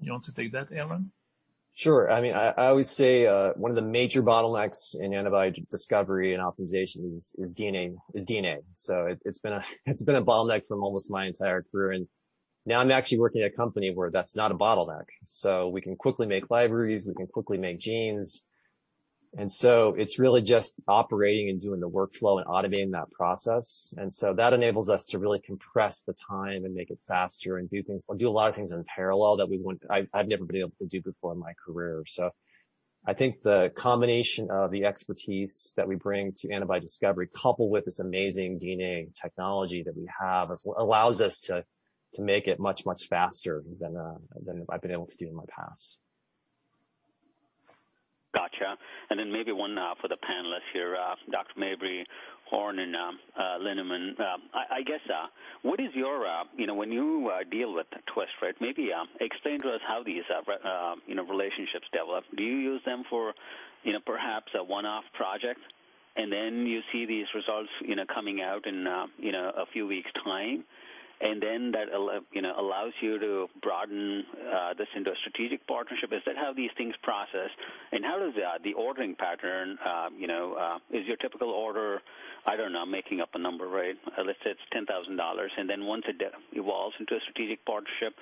You want to take that, Aaron? Sure. I always say one of the major bottlenecks in antibody discovery and optimization is DNA. It's been a bottleneck for almost my entire career, and now I'm actually working at a company where that's not a bottleneck. We can quickly make libraries. We can quickly make genes. And it's really just operating and doing the workflow and automating that process. That enables us to really compress the time and make it faster and do a lot of things in parallel that I've never been able to do before in my career. I think the combination of the expertise that we bring to antibody discovery, coupled with this amazing DNA technology that we have, allows us to make it much faster than I've been able to do in my past. Got you. Maybe one for the panelists here, Dr. Mabry, Horn and Linnemann. When you deal with Twist, maybe explain to us how these relationships develop. Do you use them for perhaps a one-off project, and then you see these results coming out in a few weeks time, and then that allows you to broaden this into a strategic partnership? Is that how these things process? Is your typical order, I don't know, I'm making up a number, let's say it's $10,000, and then once it evolves into a strategic partnership,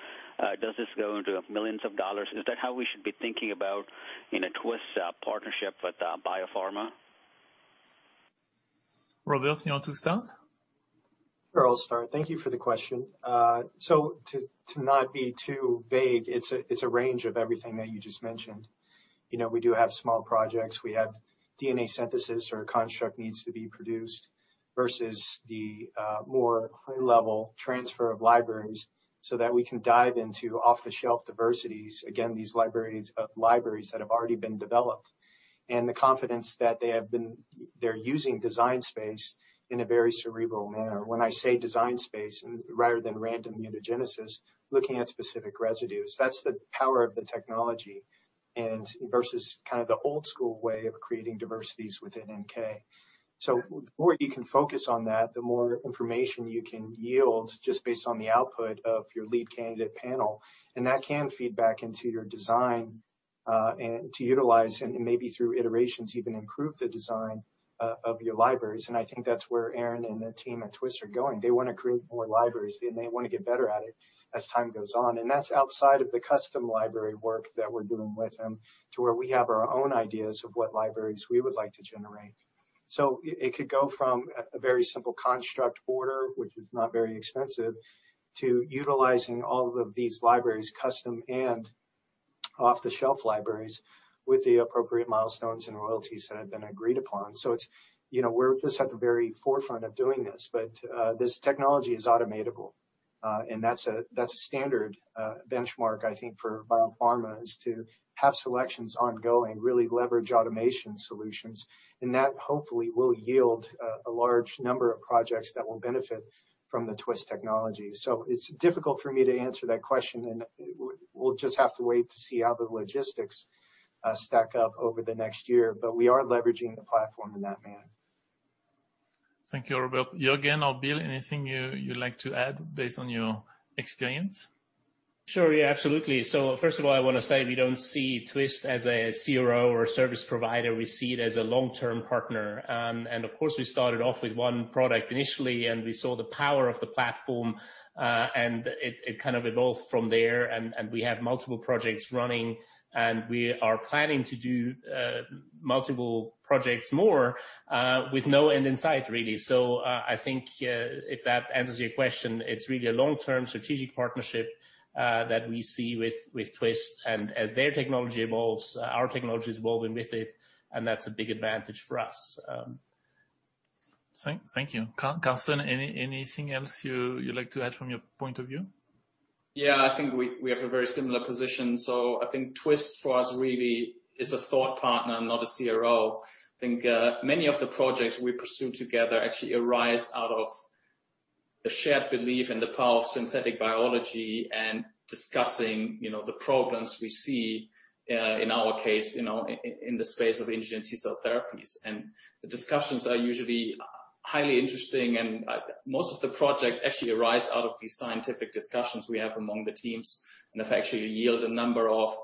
does this go into millions of dollars? Is that how we should be thinking about Twist partnership with Biopharma? Robert, you want to start? Sure. I'll start. Thank you for the question. To not be too vague, it's a range of everything that you just mentioned. We do have small projects. We have DNA synthesis or a construct needs to be produced versus the more high level transfer of libraries so that we can dive into off-the-shelf diversities. Again, these libraries of libraries that have already been developed, and the confidence that they're using design space in a very cerebral manner. When I say design space rather than random mutagenesis, looking at specific residues, that's the power of the technology versus the old school way of creating diversities within NNK. The more you can focus on that, the more information you can yield just based on the output of your lead candidate panel. That can feed back into your design, and to utilize and maybe through iterations, even improve the design of your libraries. I think that's where Aaron and the team at Twist are going. They want to create more libraries, and they want to get better at it as time goes on. That's outside of the custom library work that we're doing with them to where we have our own ideas of what libraries we would like to generate. It could go from a very simple construct order, which is not very expensive, to utilizing all of these libraries, custom and off-the-shelf libraries with the appropriate milestones and royalties that have been agreed upon. We're just at the very forefront of doing this, but this technology is automatable. That's a standard benchmark, I think, for Biopharma is to have selections ongoing, really leverage automation solutions, and that hopefully will yield a large number of projects that will benefit from the Twist technology. It's difficult for me to answer that question, and we'll just have to wait to see how the logistics stack up over the next year. We are leveraging the platform in that manner. Thank you, Robert. Jürgen or Bill, anything you'd like to add based on your experience? Sure. Yeah, absolutely. First of all, I want to say we don't see Twist as a CRO or service provider. We see it as a long-term partner. Of course, we started off with one product initially, and we saw the power of the platform, and it kind of evolved from there. We have multiple projects running, and we are planning to do multiple projects more with no end in sight, really. I think if that answers your question, it's really a long-term strategic partnership that we see with Twist. As their technology evolves, our technology is evolving with it, and that's a big advantage for us. Thank you. Carsten, anything else you'd like to add from your point of view? Yeah, I think we have a very similar position. I think Twist for us really is a thought partner, not a CRO. I think many of the projects we pursue together actually arise out of a shared belief in the power of synthetic biology and discussing the problems we see in our case in the space of engineered T-cell therapies. The discussions are usually highly interesting, and most of the projects actually arise out of these scientific discussions we have among the teams and have actually yield a number of,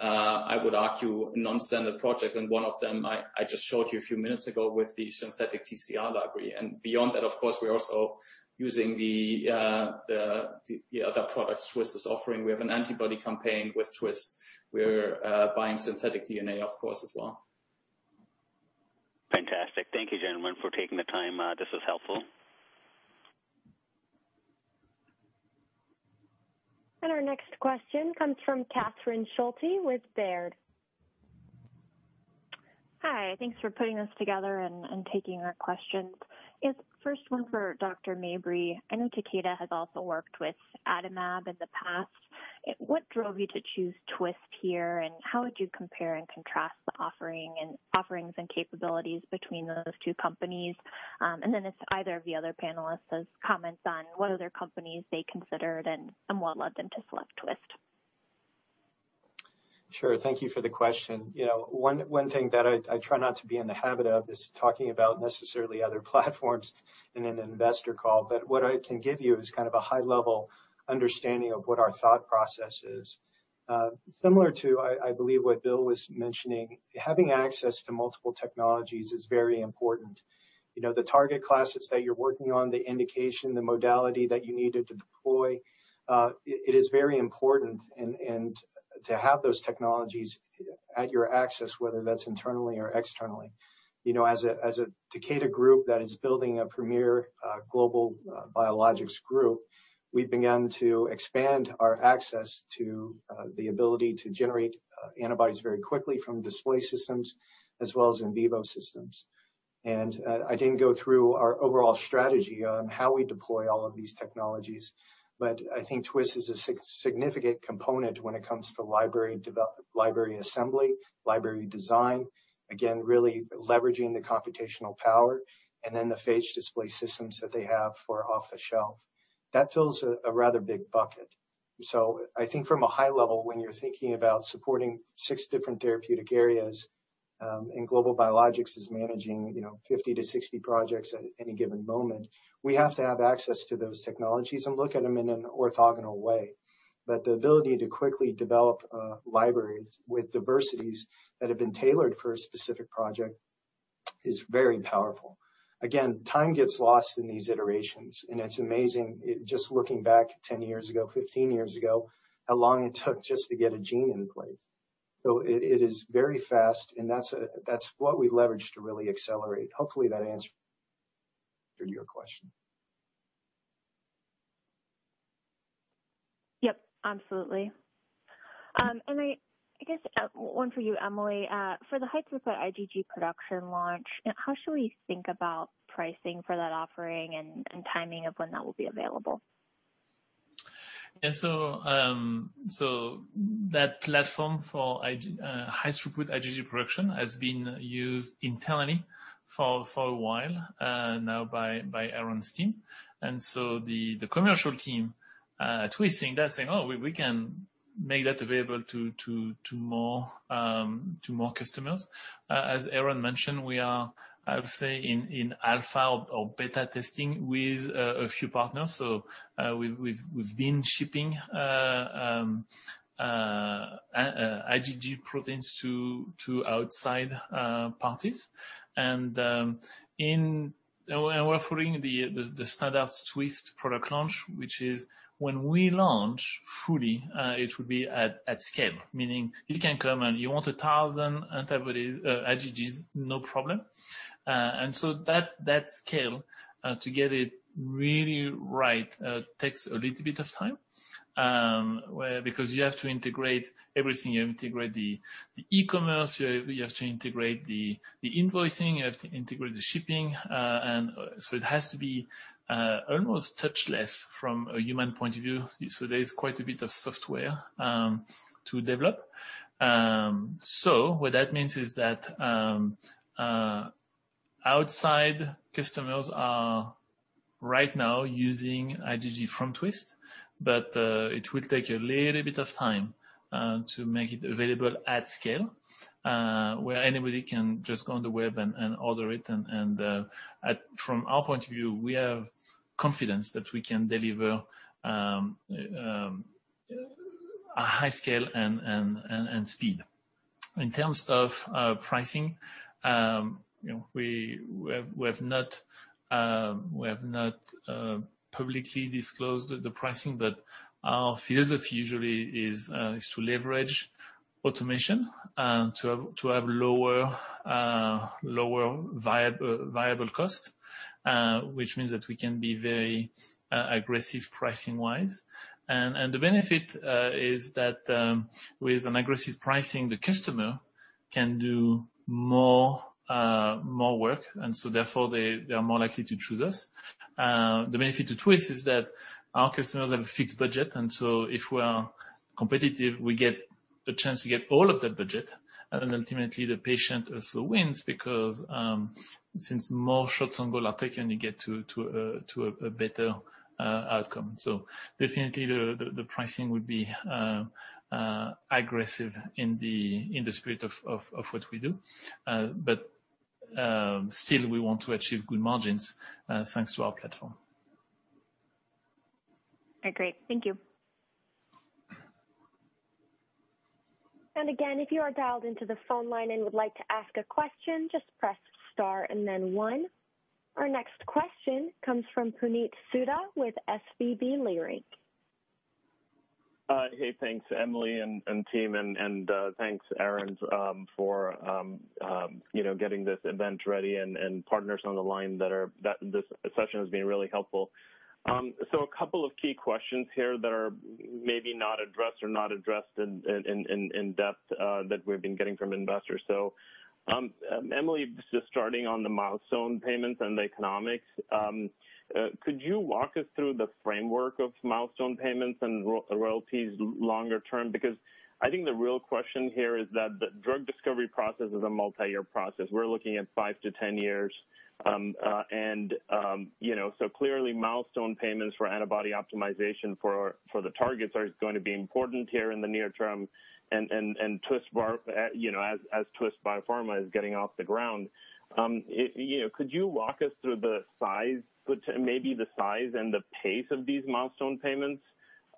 I would argue, non-standard projects. One of them I just showed you a few minutes ago with the synthetic TCR library. Beyond that, of course, we're also using the other products Twist is offering. We have an antibody campaign with Twist. We're buying synthetic DNA, of course, as well. Fantastic. Thank you, gentlemen, for taking the time. This was helpful. Our next question comes from Catherine Schulte with Baird. Hi. Thanks for putting this together and taking our questions. Yes, first one for Dr. Mabry. I know Takeda has also worked with Adimab in the past. What drove you to choose Twist here, and how would you compare and contrast the offerings and capabilities between those two companies? If either of the other panelists has comments on what other companies they considered and what led them to select Twist. Sure. Thank you for the question. One thing that I try not to be in the habit of is talking about necessarily other platforms in an investor call, but what I can give you is kind of a high-level understanding of what our thought process is. Similar to, I believe, what Bill was mentioning, having access to multiple technologies is very important. The target classes that you're working on, the indication, the modality that you needed to deploy, it is very important to have those technologies at your access, whether that's internally or externally. As a Takeda group that is building a premier global biologics group, we've begun to expand our access to the ability to generate antibodies very quickly from display systems as well as in vivo systems. I didn't go through our overall strategy on how we deploy all of these technologies, but I think Twist is a significant component when it comes to library assembly, library design, again, really leveraging the computational power, and then the phage display systems that they have for off-the-shelf. That fills a rather big bucket. I think from a high level, when you're thinking about supporting six different therapeutic areas, and global biologics is managing 50-60 projects at any given moment, we have to have access to those technologies and look at them in an orthogonal way. The ability to quickly develop libraries with diversities that have been tailored for a specific project is very powerful. Again, time gets lost in these iterations, and it's amazing, just looking back 10 years ago, 15 years ago, how long it took just to get a gene in place. It is very fast, and that's what we leverage to really accelerate. Hopefully that answers your question. Yep, absolutely. I guess one for you, Emily. For the high-throughput IgG production launch, how should we think about pricing for that offering and timing of when that will be available? Yeah. That platform for high-throughput IgG production has been used internally for a while now by Aaron's team. The commercial team at Twist, they're saying, "Oh, we can make that available to more customers." As Aaron mentioned, we are, I would say, in alpha or beta testing with a few partners. We've been shipping IgG proteins to outside parties. We're following the standard Twist product launch, which is when we launch fully it will be at scale, meaning you can come, and you want 1,000 antibodies, IgGs, no problem. That scale to get it really right takes a little bit of time, because you have to integrate everything. You integrate the e-commerce, you have to integrate the invoicing, you have to integrate the shipping. It has to be almost touchless from a human point of view. There's quite a bit of software to develop. What that means is that outside customers are right now using IgG from Twist, but it will take a little bit of time to make it available at scale, where anybody can just go on the web and order it. From our point of view, we have confidence that we can deliver a high scale and speed. In terms of pricing, we have not publicly disclosed the pricing, but our philosophy usually is to leverage automation to have lower viable cost, which means that we can be very aggressive pricing-wise. The benefit is that with an aggressive pricing, the customer can do more work, and so therefore they are more likely to choose us. The benefit to Twist is that our customers have a fixed budget, and so if we're competitive, we get a chance to get all of that budget. Ultimately, the patient also wins because since more shots on goal are taken, you get to a better outcome. Definitely the pricing would be aggressive in the spirit of what we do. Still, we want to achieve good margins thanks to our platform. Great. Thank you. Again, if you are dialed into the phone line and would like to ask a question, just press star and then one. Our next question comes from Puneet Souda with SVB Leerink. Hey, thanks, Emily and team, and thanks, Aaron, for getting this event ready and partners on the line that this session has been really helpful. A couple of key questions here that are maybe not addressed or not addressed in depth that we've been getting from investors. Emily, just starting on the milestone payments and the economics, could you walk us through the framework of milestone payments and royalties longer term? Because I think the real question here is that the drug discovery process is a multi-year process. We're looking at 5-10 years. Clearly milestone payments for antibody optimization for the targets are going to be important here in the near term. As Twist Biopharma is getting off the ground, could you walk us through maybe the size and the pace of these milestone payments,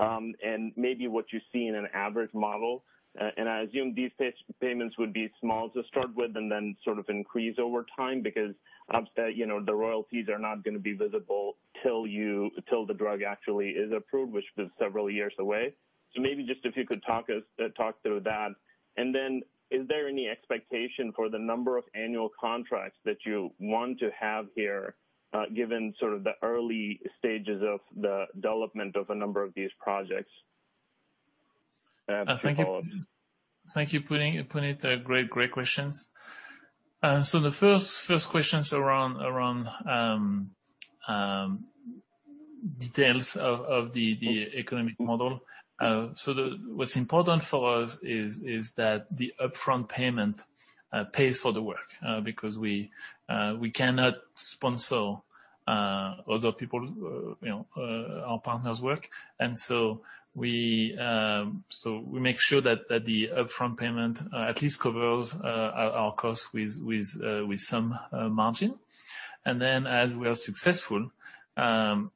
and maybe what you see in an average model. I assume these payments would be small to start with and then sort of increase over time because the royalties are not going to be visible till the drug actually is approved, which is several years away. Maybe just if you could talk through that. Then is there any expectation for the number of annual contracts that you want to have here given sort of the early stages of the development of a number of these projects? Thank you, Puneet. Great questions. The first question is around details of the economic model. What's important for us is that the upfront payment pays for the work because we cannot sponsor other people, our partners' work. We make sure that the upfront payment at least covers our costs with some margin. As we are successful, I'm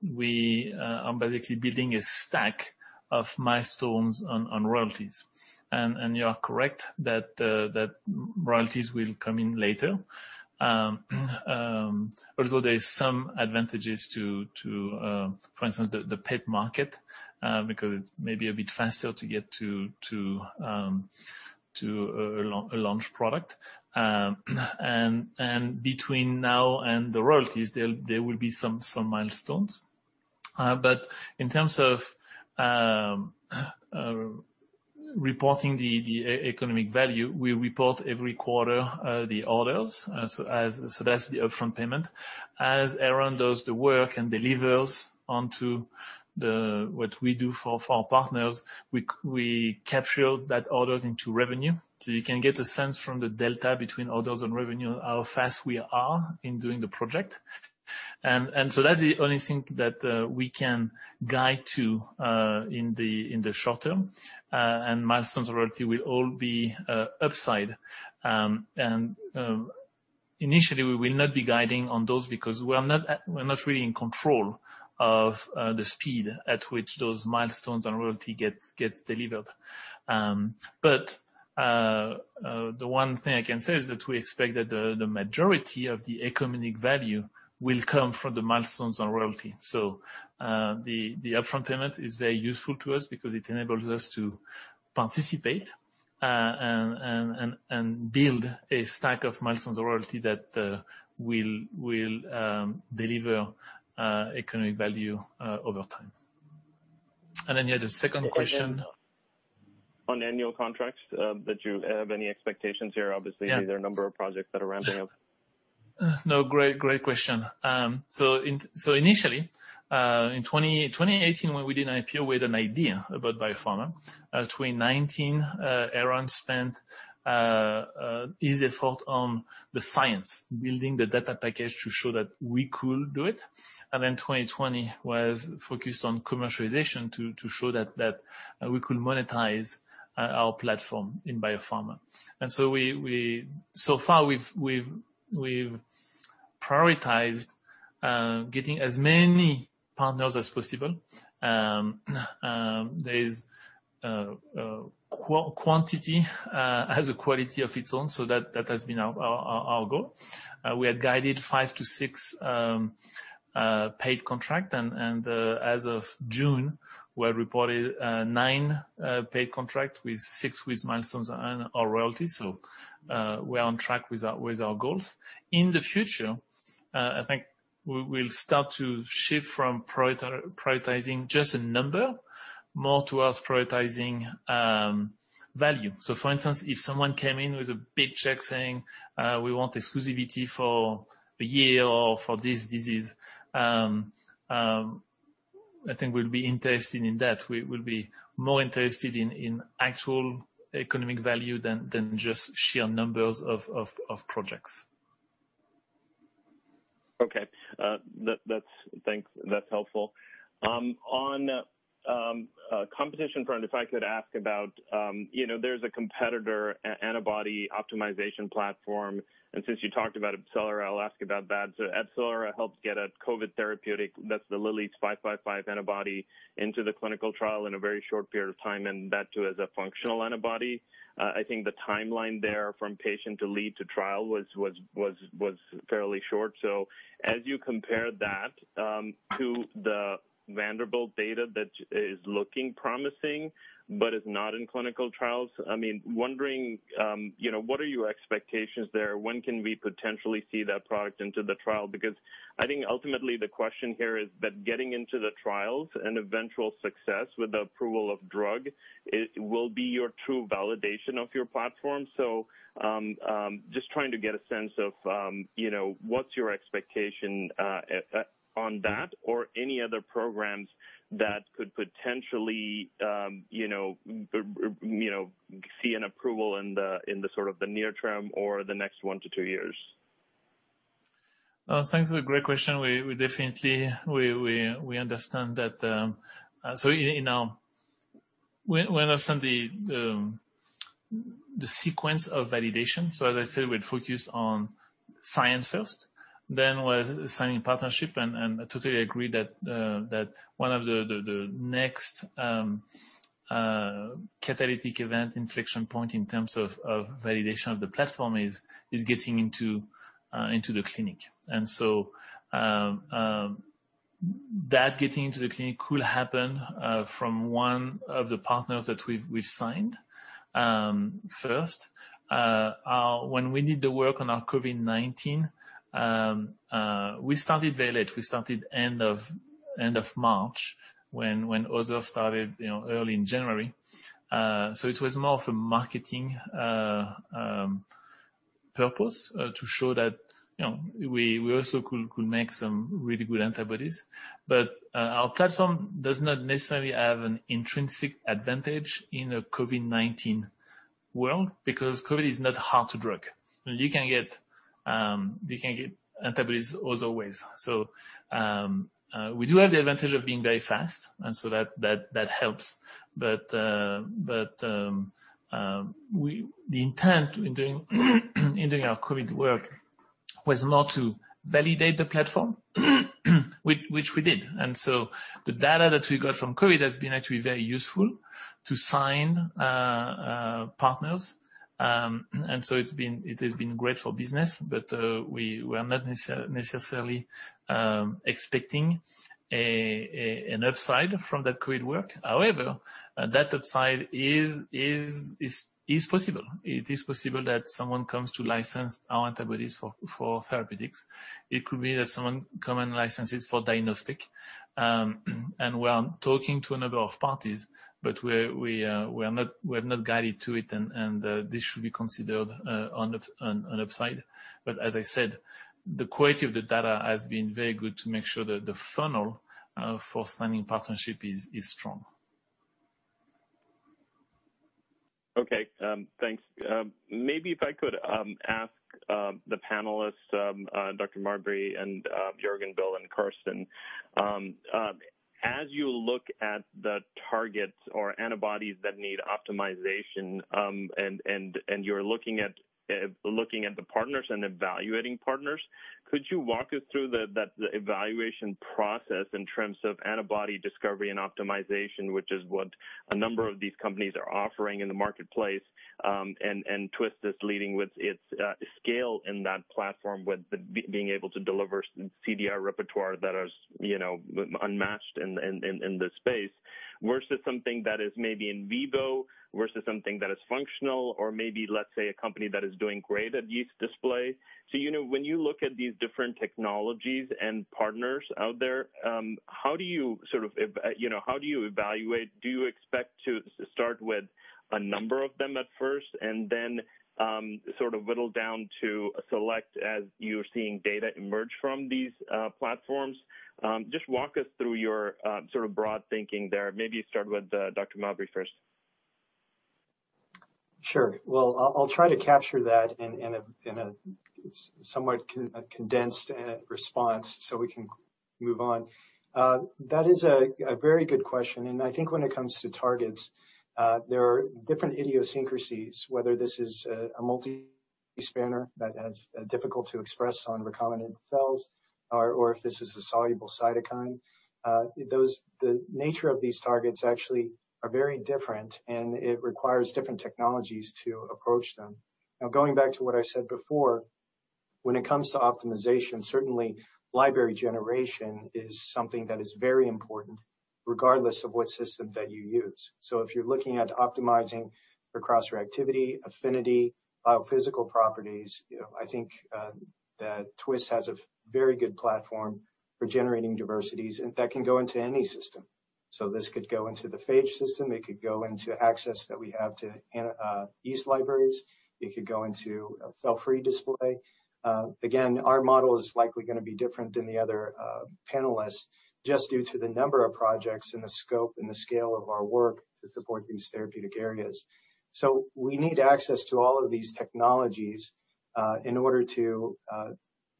basically building a stack of milestones on royalties. You are correct that royalties will come in later. There is some advantages to for instance, the pet market because it's maybe a bit faster to get to a launch product. Between now and the royalties, there will be some milestones. In terms of reporting the economic value, we report every quarter the orders, so that's the upfront payment. As Aaron does the work and delivers onto what we do for our partners, we capture that orders into revenue. You can get a sense from the delta between orders and revenue, how fast we are in doing the project. That's the only thing that we can guide to in the short term. Milestones royalty will all be upside. Initially, we will not be guiding on those because we're not really in control of the speed at which those milestones and royalty gets delivered. The one thing I can say is that we expect that the majority of the economic value will come from the milestones and royalty. The upfront payment is very useful to us because it enables us to participate and build a stack of milestones royalty that will deliver economic value over time. Then you had a second question. On annual contracts, that you have any expectations here? Yeah. There are a number of projects that are ramping up. No, great question. Initially, in 2018 when we did an IPO, we had an idea about biopharma. 2019, Aaron spent his effort on the science, building the data package to show that we could do it. 2020 was focused on commercialization to show that we could monetize our platform in biopharma. So far we've prioritized getting as many partners as possible. There is quantity has a quality of its own. That has been our goal. We had guided five to six paid contract and as of June, we had reported nine paid contract with six with milestones and our royalty. We're on track with our goals. In the future, I think we'll start to shift from prioritizing just a number more towards prioritizing value. For instance, if someone came in with a big check saying we want exclusivity for a year or for this disease, I think we'll be interested in that. We will be more interested in actual economic value than just sheer numbers of projects. Okay. Thanks, that's helpful. On competition front, if I could ask about there's a competitor antibody optimization platform, and since you talked about AbCellera, I'll ask about that. AbCellera helped get a COVID therapeutic, that's the Lilly's LY-CoV555 antibody, into the clinical trial in a very short period of time, and that too as a functional antibody. I think the timeline there from patient to lead to trial was fairly short. As you compare that to the Vanderbilt data that is looking promising but is not in clinical trials, I mean, wondering what are your expectations there? When can we potentially see that product into the trial? I think ultimately the question here is that getting into the trials and eventual success with the approval of drug will be your true validation of your platform. Just trying to get a sense of what's your expectation on that or any other programs that could potentially see an approval in the sort of the near term or the next one to two years? Thanks for the great question. We definitely understand that. When I send the sequence of validation, so as I said, we'd focus on science first, then we're signing partnership, and I totally agree that one of the next catalytic event inflection point in terms of validation of the platform is getting into the clinic. That getting into the clinic could happen from one of the partners that we've signed first. When we did the work on our COVID-19, we started very late. We started end of March when others started early in January. It was more of a marketing purpose to show that we also could make some really good antibodies. Our platform does not necessarily have an intrinsic advantage in a COVID-19 world, because COVID is not hard to drug. You can get antibodies other ways. We do have the advantage of being very fast, and so that helps. The intent in doing our COVID work was more to validate the platform, which we did. The data that we got from COVID has been actually very useful to sign partners. It has been great for business, but we are not necessarily expecting an upside from that COVID work. However, that upside is possible. It is possible that someone comes to license our antibodies for therapeutics. It could be that someone come and licenses for diagnostic. We are talking to a number of parties, but we're not guided to it, and this should be considered an upside. As I said, the quality of the data has been very good to make sure that the funnel for signing partnership is strong. Okay. Thanks. Maybe if I could ask the panelists, Dr. Mabry and Jürgen, Bill, and Carsten. As you look at the targets or antibodies that need optimization, and you're looking at the partners and evaluating partners, could you walk us through the evaluation process in terms of antibody discovery and optimization, which is what a number of these companies are offering in the marketplace, and Twist is leading with its scale in that platform with being able to deliver CDR repertoire that is unmatched in the space, versus something that is maybe in vivo versus something that is functional or maybe, let's say, a company that is doing great at yeast display? When you look at these different technologies and partners out there, how do you evaluate? Do you expect to start with a number of them at first and then sort of whittle down to a select as you're seeing data emerge from these platforms? Just walk us through your sort of broad thinking there. Maybe start with Dr. Mabry first. Sure. Well, I'll try to capture that in a somewhat condensed response so we can move on. That is a very good question, and I think when it comes to targets, there are different idiosyncrasies, whether this is a multi-spanner that is difficult to express on recombinant cells or if this is a soluble cytokine. The nature of these targets actually are very different, and it requires different technologies to approach them. Now, going back to what I said before, when it comes to optimization, certainly library generation is something that is very important regardless of what system that you use. If you're looking at optimizing for cross-reactivity, affinity, biophysical properties, I think that Twist has a very good platform for generating diversities, and that can go into any system. This could go into the phage system, it could go into access that we have to yeast libraries. It could go into a cell-free display. Again, our model is likely going to be different than the other panelists, just due to the number of projects and the scope and the scale of our work to support these therapeutic areas. We need access to all of these technologies in order to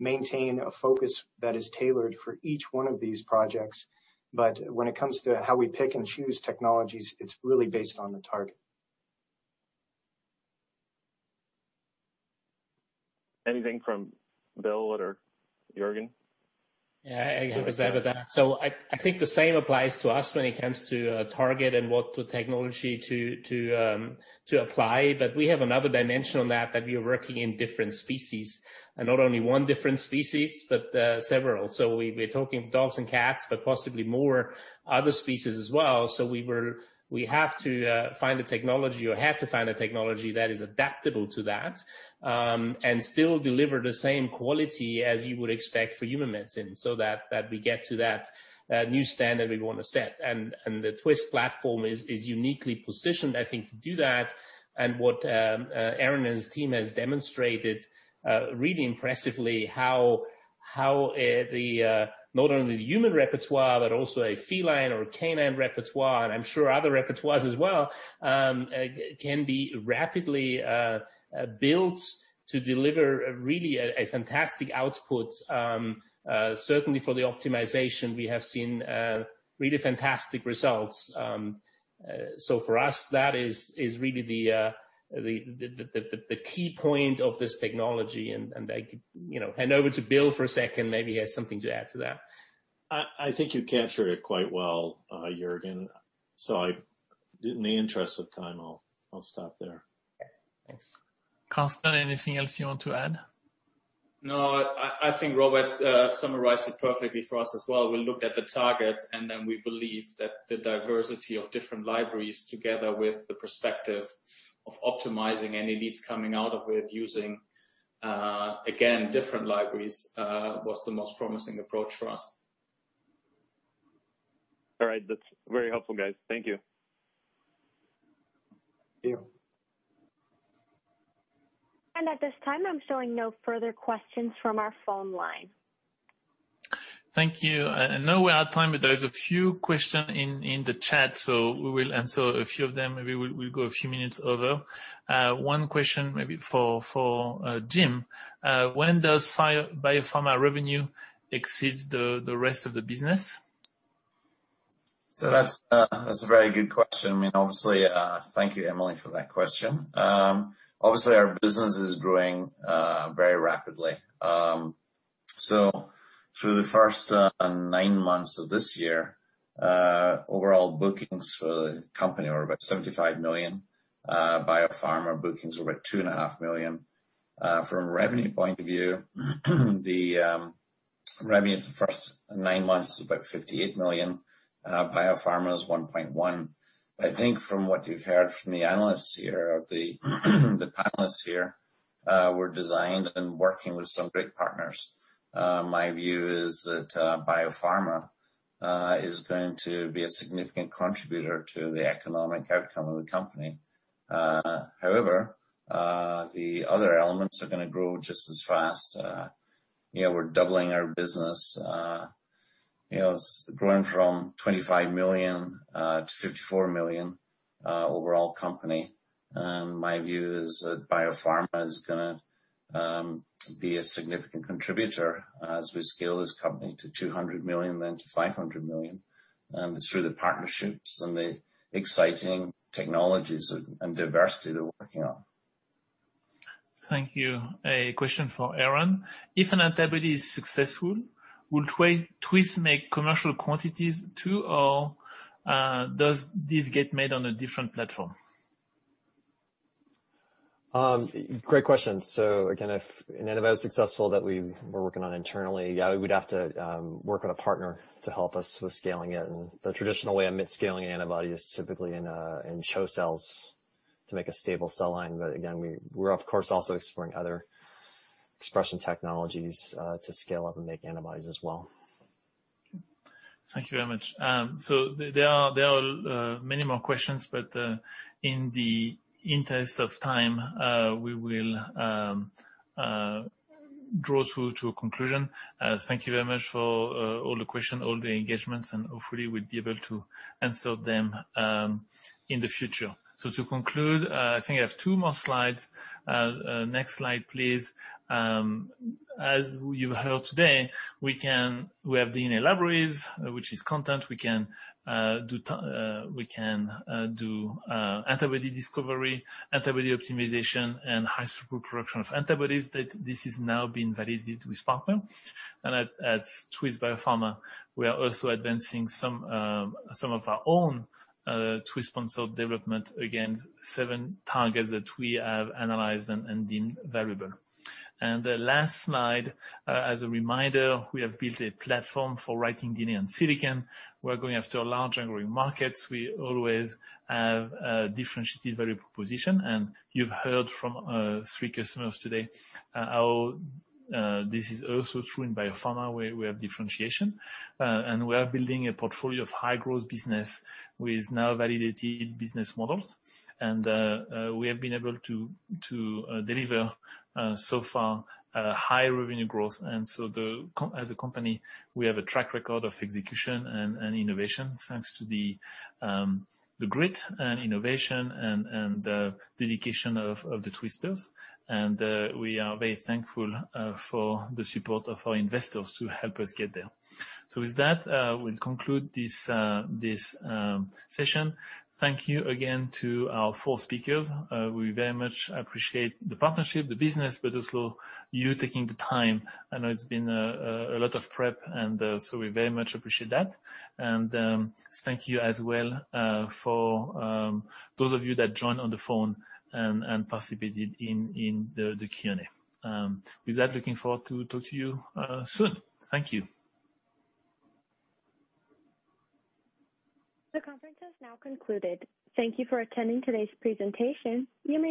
maintain a focus that is tailored for each one of these projects. When it comes to how we pick and choose technologies, it's really based on the target. Anything from Bill or Jürgen? Yeah, I can go with that. I think the same applies to us when it comes to target and what technology to apply. We have another dimension on that we are working in different species, and not only one different species, but several. We're talking dogs and cats, but possibly more other species as well. We have to find the technology or had to find a technology that is adaptable to that and still deliver the same quality as you would expect for human medicine so that we get to that new standard we want to set. The Twist platform is uniquely positioned, I think, to do that. What Aaron and his team has demonstrated really impressively how not only the human repertoire but also a feline or canine repertoire, and I'm sure other repertoires as well can be rapidly built to deliver really a fantastic output. Certainly, for the optimization, we have seen really fantastic results. For us, that is really the key point of this technology, and I hand over to Bill for a second, maybe he has something to add to that. I think you captured it quite well, Jürgen. In the interest of time, I'll stop there. Okay, thanks. Carsten, anything else you want to add? I think Robert summarized it perfectly for us as well. We looked at the target, we believe that the diversity of different libraries, together with the perspective of optimizing any leads coming out of it using, again, different libraries, was the most promising approach for us. All right. That's very helpful, guys. Thank you. Thank you. At this time, I'm showing no further questions from our phone line. Thank you. I know we're out of time, but there's a few questions in the chat, so we will answer a few of them. Maybe we'll go a few minutes over. One question maybe for Jim. When does Biopharma revenue exceed the rest of the business? That's a very good question. Thank you, Emily, for that question. Obviously, our business is growing very rapidly. Through the first nine months of this year, overall bookings for the company were about $75 million. Biopharma bookings were about $2.5 million. From a revenue point of view, the revenue for the first nine months is about $58 million. Biopharma is $1.1 million. I think from what you've heard from the analysts here or the panelists here, we're designed and working with some great partners. My view is that Biopharma is going to be a significant contributor to the economic outcome of the company. However, the other elements are going to grow just as fast. We're doubling our business. It's grown from $25 million-$54 million overall company. My view is that Twist Biopharma is going to be a significant contributor as we scale this company to $200 million, then to $500 million, through the partnerships and the exciting technologies and diversity they're working on. Thank you. A question for Aaron. If an antibody is successful, would Twist make commercial quantities too, or does this get made on a different platform? Great question. Again, if an antibody is successful that we were working on internally, yeah, we'd have to work with a partner to help us with scaling it. The traditional way I admit scaling an antibody is typically in CHO cells to make a stable cell line. Again, we're of course also exploring other expression technologies to scale up and make antibodies as well. Thank you very much. There are many more questions, but in the interest of time, we will draw to a conclusion. Thank you very much for all the question, all the engagements, and hopefully we'll be able to answer them in the future. To conclude, I think I have two more slides. Next slide, please. As you heard today, we have DNA libraries, which is content. We can do antibody discovery, antibody optimization, and high throughput production of antibodies that this is now being validated with partner. At Twist Bioscience we are also advancing some of our own Twist-sponsored development against seven targets that we have analyzed and deemed valuable. The last slide, as a reminder, we have built a platform for writing DNA on silicon. We're going after large growing markets. We always have a differentiated value proposition. You've heard from three customers today how this is also true in Biopharma, where we have differentiation. We are building a portfolio of high-growth business with now validated business models. We have been able to deliver so far high revenue growth. As a company, we have a track record of execution and innovation, thanks to the grit and innovation and the dedication of the Twistors. We are very thankful for the support of our investors to help us get there. With that, we'll conclude this session. Thank you again to our four speakers. We very much appreciate the partnership, the business, but also you taking the time. I know it's been a lot of prep, and so we very much appreciate that. Thank you as well for those of you that joined on the phone and participated in the Q&A. With that, looking forward to talk to you soon. Thank you. The conference has now concluded. Thank you for attending today's presentation.